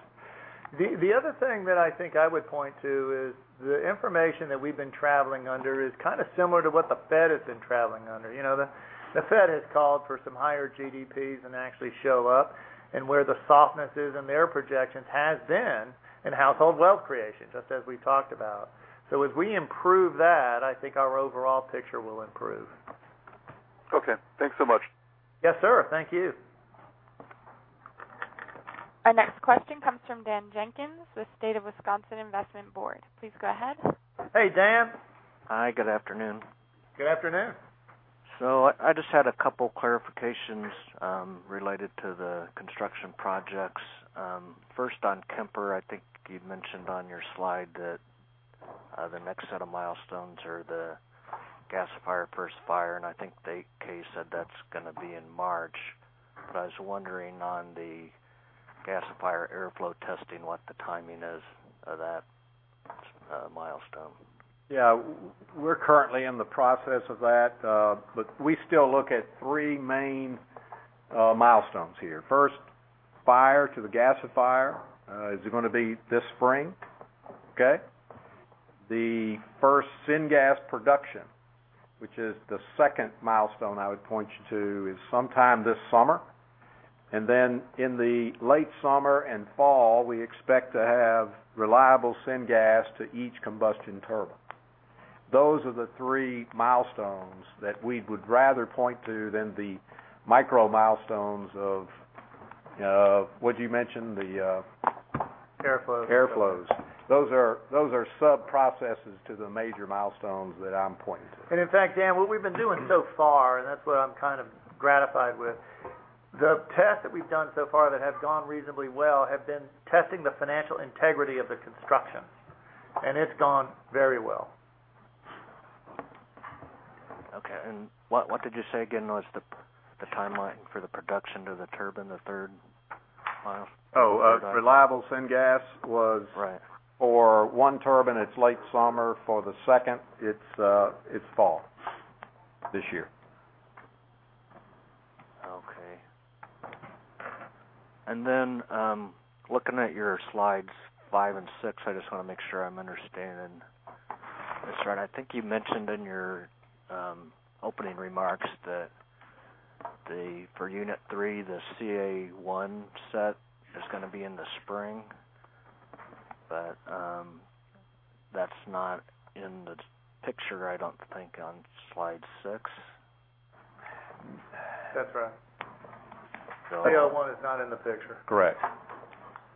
The other thing that I think I would point to is the information that we've been traveling under is kind of similar to what the Fed has been traveling under. The Fed has called for some higher GDPs than actually show up, and where the softness is in their projections has been in household wealth creation, just as we talked about. If we improve that, I think our overall picture will improve. Okay. Thanks so much. Yes, sir. Thank you. Our next question comes from Dan Jenkins with State of Wisconsin Investment Board. Please go ahead. Hey, Dan. Hi, good afternoon. Good afternoon. I just had a couple clarifications related to the construction projects. First on Kemper, I think you mentioned on your slide that the next set of milestones are the gasifier first fire, and I think [Kay] said that's going to be in March. I was wondering on the gasifier airflow testing, what the timing is of that milestone. Yeah. We're currently in the process of that. We still look at three main milestones here. First fire to the gasifier is going to be this spring. Okay? The first syngas production, which is the second milestone I would point you to, is sometime this summer. In the late summer and fall, we expect to have reliable syngas to each combustion turbine. Those are the three milestones that we would rather point to than the micro milestones of, what'd you mention? Airflows airflows. Those are sub-processes to the major milestones that I'm pointing to. In fact, Dan, what we've been doing so far, and that's what I'm kind of gratified with, the tests that we've done so far that have gone reasonably well have been testing the financial integrity of the construction. It's gone very well. Okay. What did you say again was the timeline for the production to the turbine, the third milestone? reliable syngas was. Right for one turbine, it's late summer. For the second, it's fall. This year. Okay. Looking at your slides five and six, I just want to make sure I'm understanding this right. I think you mentioned in your opening remarks that for unit three, the CA1 set is going to be in the spring, that's not in the picture, I don't think, on slide six. That's right. CA1 is not in the picture. Correct.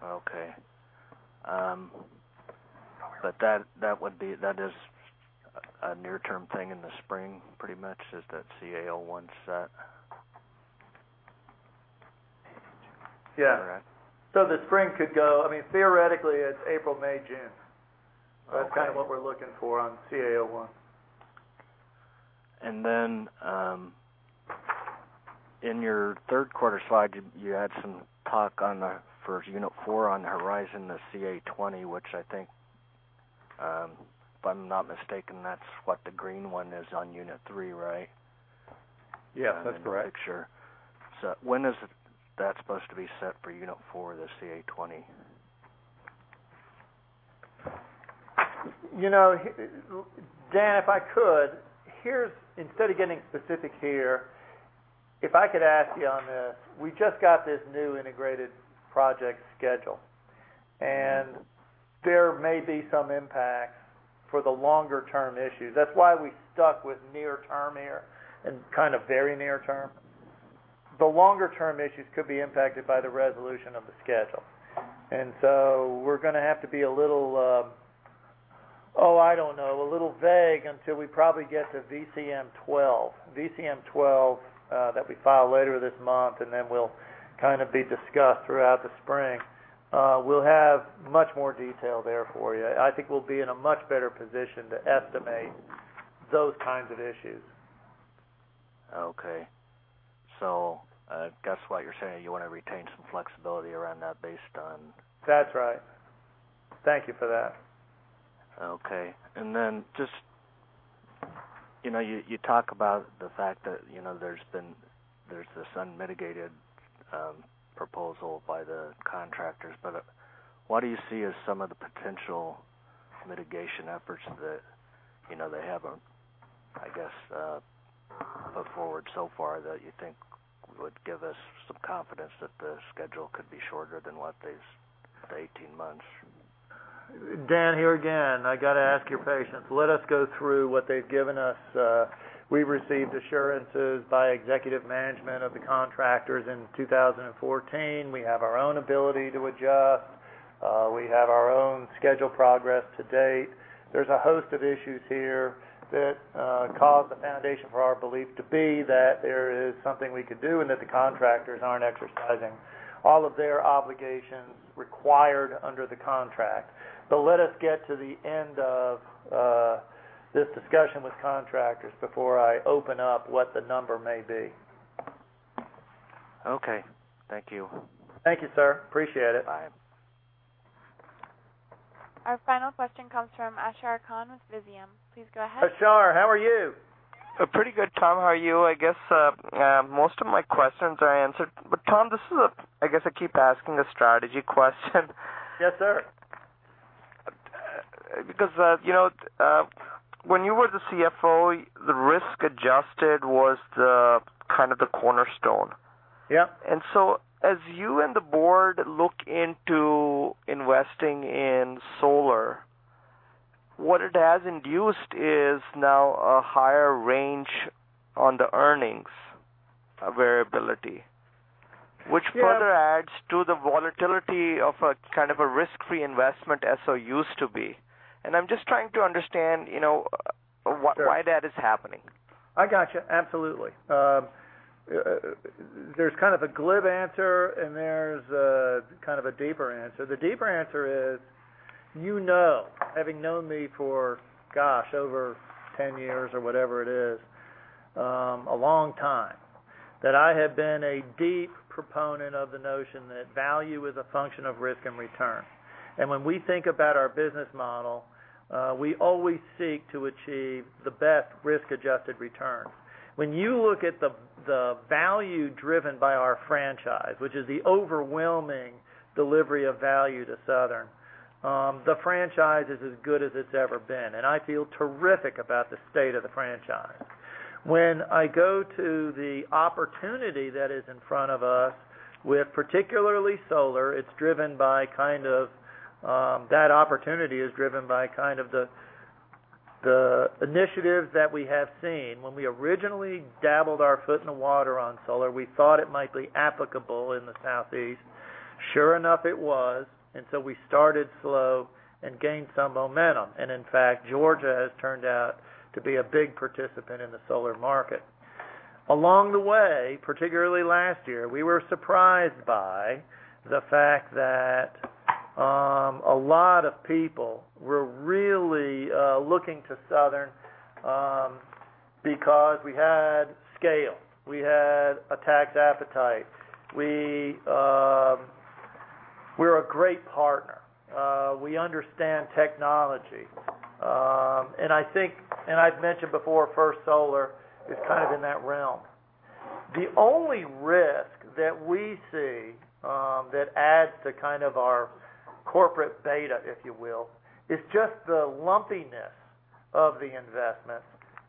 Okay. That is a near-term thing in the spring, pretty much, is that CA01 set? Yeah. Correct. The spring could go, I mean, theoretically it's April, May, June. Okay. That's kind of what we're looking for on CA01. Then in your third quarter slide, you had some talk for unit four on the horizon, the CA20, which I think if I'm not mistaken, that's what the green one is on unit three, right? Yeah, that's correct. In the picture. When is that supposed to be set for unit 4, the CA20? Dan, if I could. Instead of getting specific here, if I could ask you on this. We just got this new integrated project schedule. There may be some impacts for the longer-term issues. That's why we stuck with near term here and kind of very near term. The longer-term issues could be impacted by the resolution of the schedule. We're going to have to be a little vague until we probably get to VCM-12. VCM-12, that we file later this month, will kind of be discussed throughout the spring. We'll have much more detail there for you. I think we'll be in a much better position to estimate those kinds of issues. Okay. I guess what you're saying, you want to retain some flexibility around that based on That's right. Thank you for that. Okay. Then just, you talk about the fact that there's this unmitigated proposal by the contractors, but what do you see as some of the potential mitigation efforts that they haven't put forward so far that you think would give us some confidence that the schedule could be shorter than what, those 18 months? Dan, here again, I got to ask your patience. Let us go through what they've given us. We've received assurances by executive management of the contractors in 2014. We have our own ability to adjust. We have our own schedule progress to date. There's a host of issues here that cause the foundation for our belief to be that there is something we could do and that the contractors aren't exercising all of their obligations required under the contract. Let us get to the end of this discussion with contractors before I open up what the number may be. Okay. Thank you. Thank you, sir. Appreciate it. Bye. Our final question comes from Ashar Khan with Visium. Please go ahead. Ashar, how are you? Pretty good, Tom. How are you? I guess most of my questions are answered. Tom, this is, I guess I keep asking a strategy question. Yes, sir. When you were the CFO, the risk-adjusted was the kind of the cornerstone. Yeah. As you and the board look into investing in solar, what it has induced is now a higher range on the earnings variability. Yeah. Which further adds to the volatility of a kind of a risk-free investment as so used to be. I'm just trying to understand why that is happening. I got you. Absolutely. There's kind of a glib answer, and there's a kind of a deeper answer. The deeper answer is, you know, having known me for, gosh, over 10 years or whatever it is, a long time, that I have been a deep proponent of the notion that value is a function of risk and return. When we think about our business model, we always seek to achieve the best risk-adjusted return. When you look at the value driven by our franchise, which is the overwhelming delivery of value to Southern, the franchise is as good as it's ever been. I feel terrific about the state of the franchise. When I go to the opportunity that is in front of us with particularly solar, that opportunity is driven by kind of the initiatives that we have seen. When we originally dabbled our foot in the water on solar, we thought it might be applicable in the Southeast. Sure enough, it was. We started slow and gained some momentum. In fact, Georgia has turned out to be a big participant in the solar market. Along the way, particularly last year, we were surprised by the fact that a lot of people were really looking to Southern because we had scale. We had a tax appetite. We're a great partner. We understand technology. I've mentioned before First Solar is kind of in that realm. The only risk that we see that adds to kind of our corporate beta, if you will, is just the lumpiness of the investments,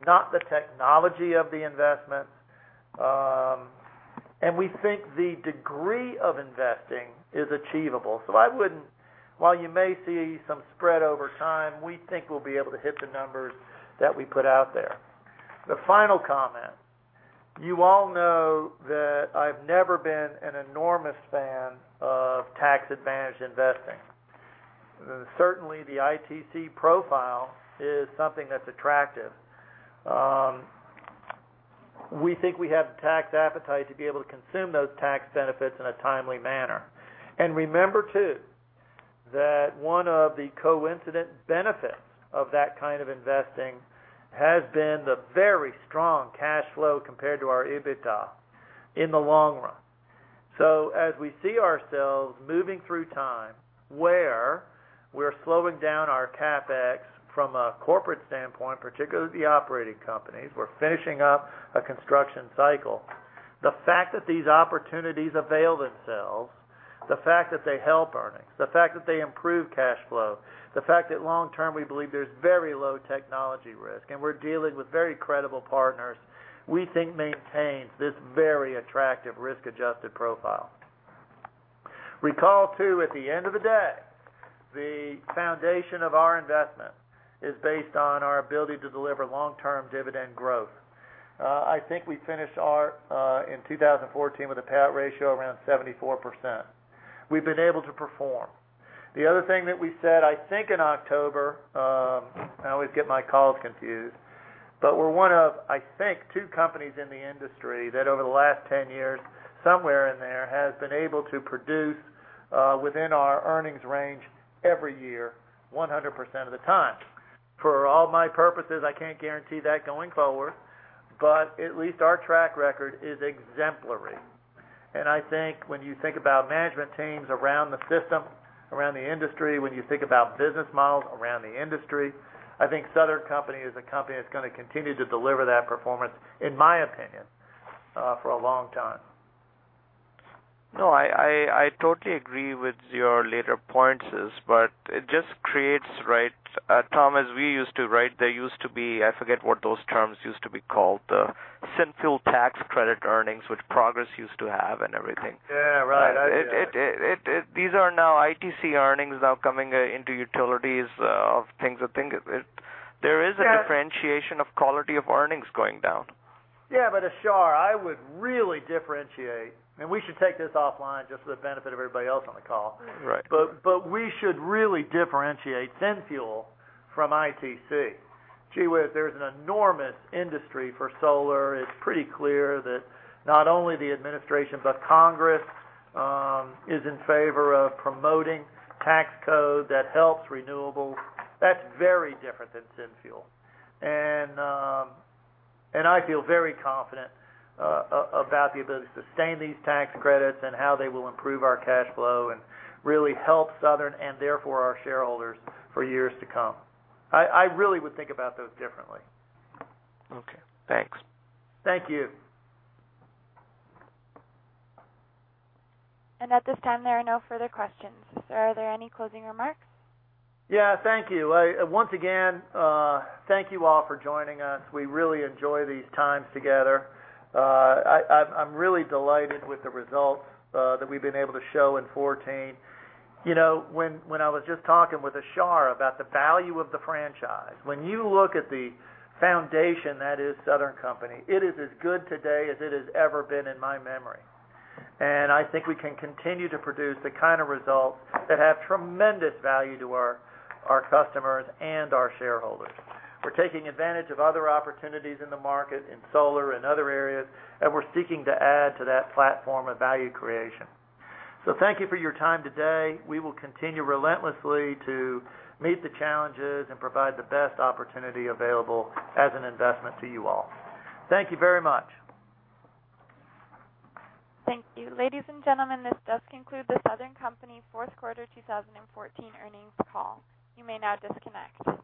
not the technology of the investments. We think the degree of investing is achievable. While you may see some spread over time, we think we'll be able to hit the numbers that we put out there. The final comment. You all know that I've never been an enormous fan of tax-advantaged investing. Certainly, the ITC profile is something that's attractive. We think we have the tax appetite to be able to consume those tax benefits in a timely manner. Remember, too, that one of the coincident benefits of that kind of investing has been the very strong cash flow compared to our EBITDA in the long run. As we see ourselves moving through time where we're slowing down our CapEx from a corporate standpoint, particularly the operating companies. We're finishing up a construction cycle. The fact that these opportunities avail themselves, the fact that they help earnings, the fact that they improve cash flow, the fact that long term, we believe there's very low technology risk, and we're dealing with very credible partners, we think maintains this very attractive risk-adjusted profile. Recall too, at the end of the day, the foundation of our investment is based on our ability to deliver long-term dividend growth. I think we finished our, in 2014 with a payout ratio around 74%. We've been able to perform. The other thing that we said, I think in October, I always get my calls confused, we're one of, I think, two companies in the industry that over the last 10 years, somewhere in there, has been able to produce within our earnings range every year, 100% of the time. For all my purposes, I can't guarantee that going forward, but at least our track record is exemplary. I think when you think about management teams around the system, around the industry, when you think about business models around the industry, I think Southern Company is a company that's going to continue to deliver that performance, in my opinion, for a long time. No, I totally agree with your later points, it just creates, right, Tom, as we used to, there used to be, I forget what those terms used to be called. The syn fuel tax credit earnings, which Progress used to have and everything. Yeah, right. I hear you. These are now ITC earnings now coming into utilities of things. There is a differentiation of quality of earnings going down. Ashar, I would really differentiate. I mean, we should take this offline just for the benefit of everybody else on the call. Right. We should really differentiate syn fuel from ITC. Gee, where there's an enormous industry for solar, it's pretty clear that not only the administration but Congress is in favor of promoting tax code that helps renewables. That's very different than syn fuel. I feel very confident about the ability to sustain these tax credits and how they will improve our cash flow and really help Southern and therefore our shareholders for years to come. I really would think about those differently. Okay, thanks. Thank you. At this time, there are no further questions. Are there any closing remarks? Yeah. Thank you. Once again, thank you all for joining us. We really enjoy these times together. I'm really delighted with the results that we've been able to show in 2014. When I was just talking with Ashar about the value of the franchise. When you look at the foundation that is The Southern Company, it is as good today as it has ever been in my memory. I think we can continue to produce the kind of results that have tremendous value to our customers and our shareholders. We're taking advantage of other opportunities in the market, in solar and other areas, and we're seeking to add to that platform of value creation. Thank you for your time today. We will continue relentlessly to meet the challenges and provide the best opportunity available as an investment to you all. Thank you very much. Thank you. Ladies and gentlemen, this does conclude The Southern Company fourth quarter 2014 earnings call. You may now disconnect.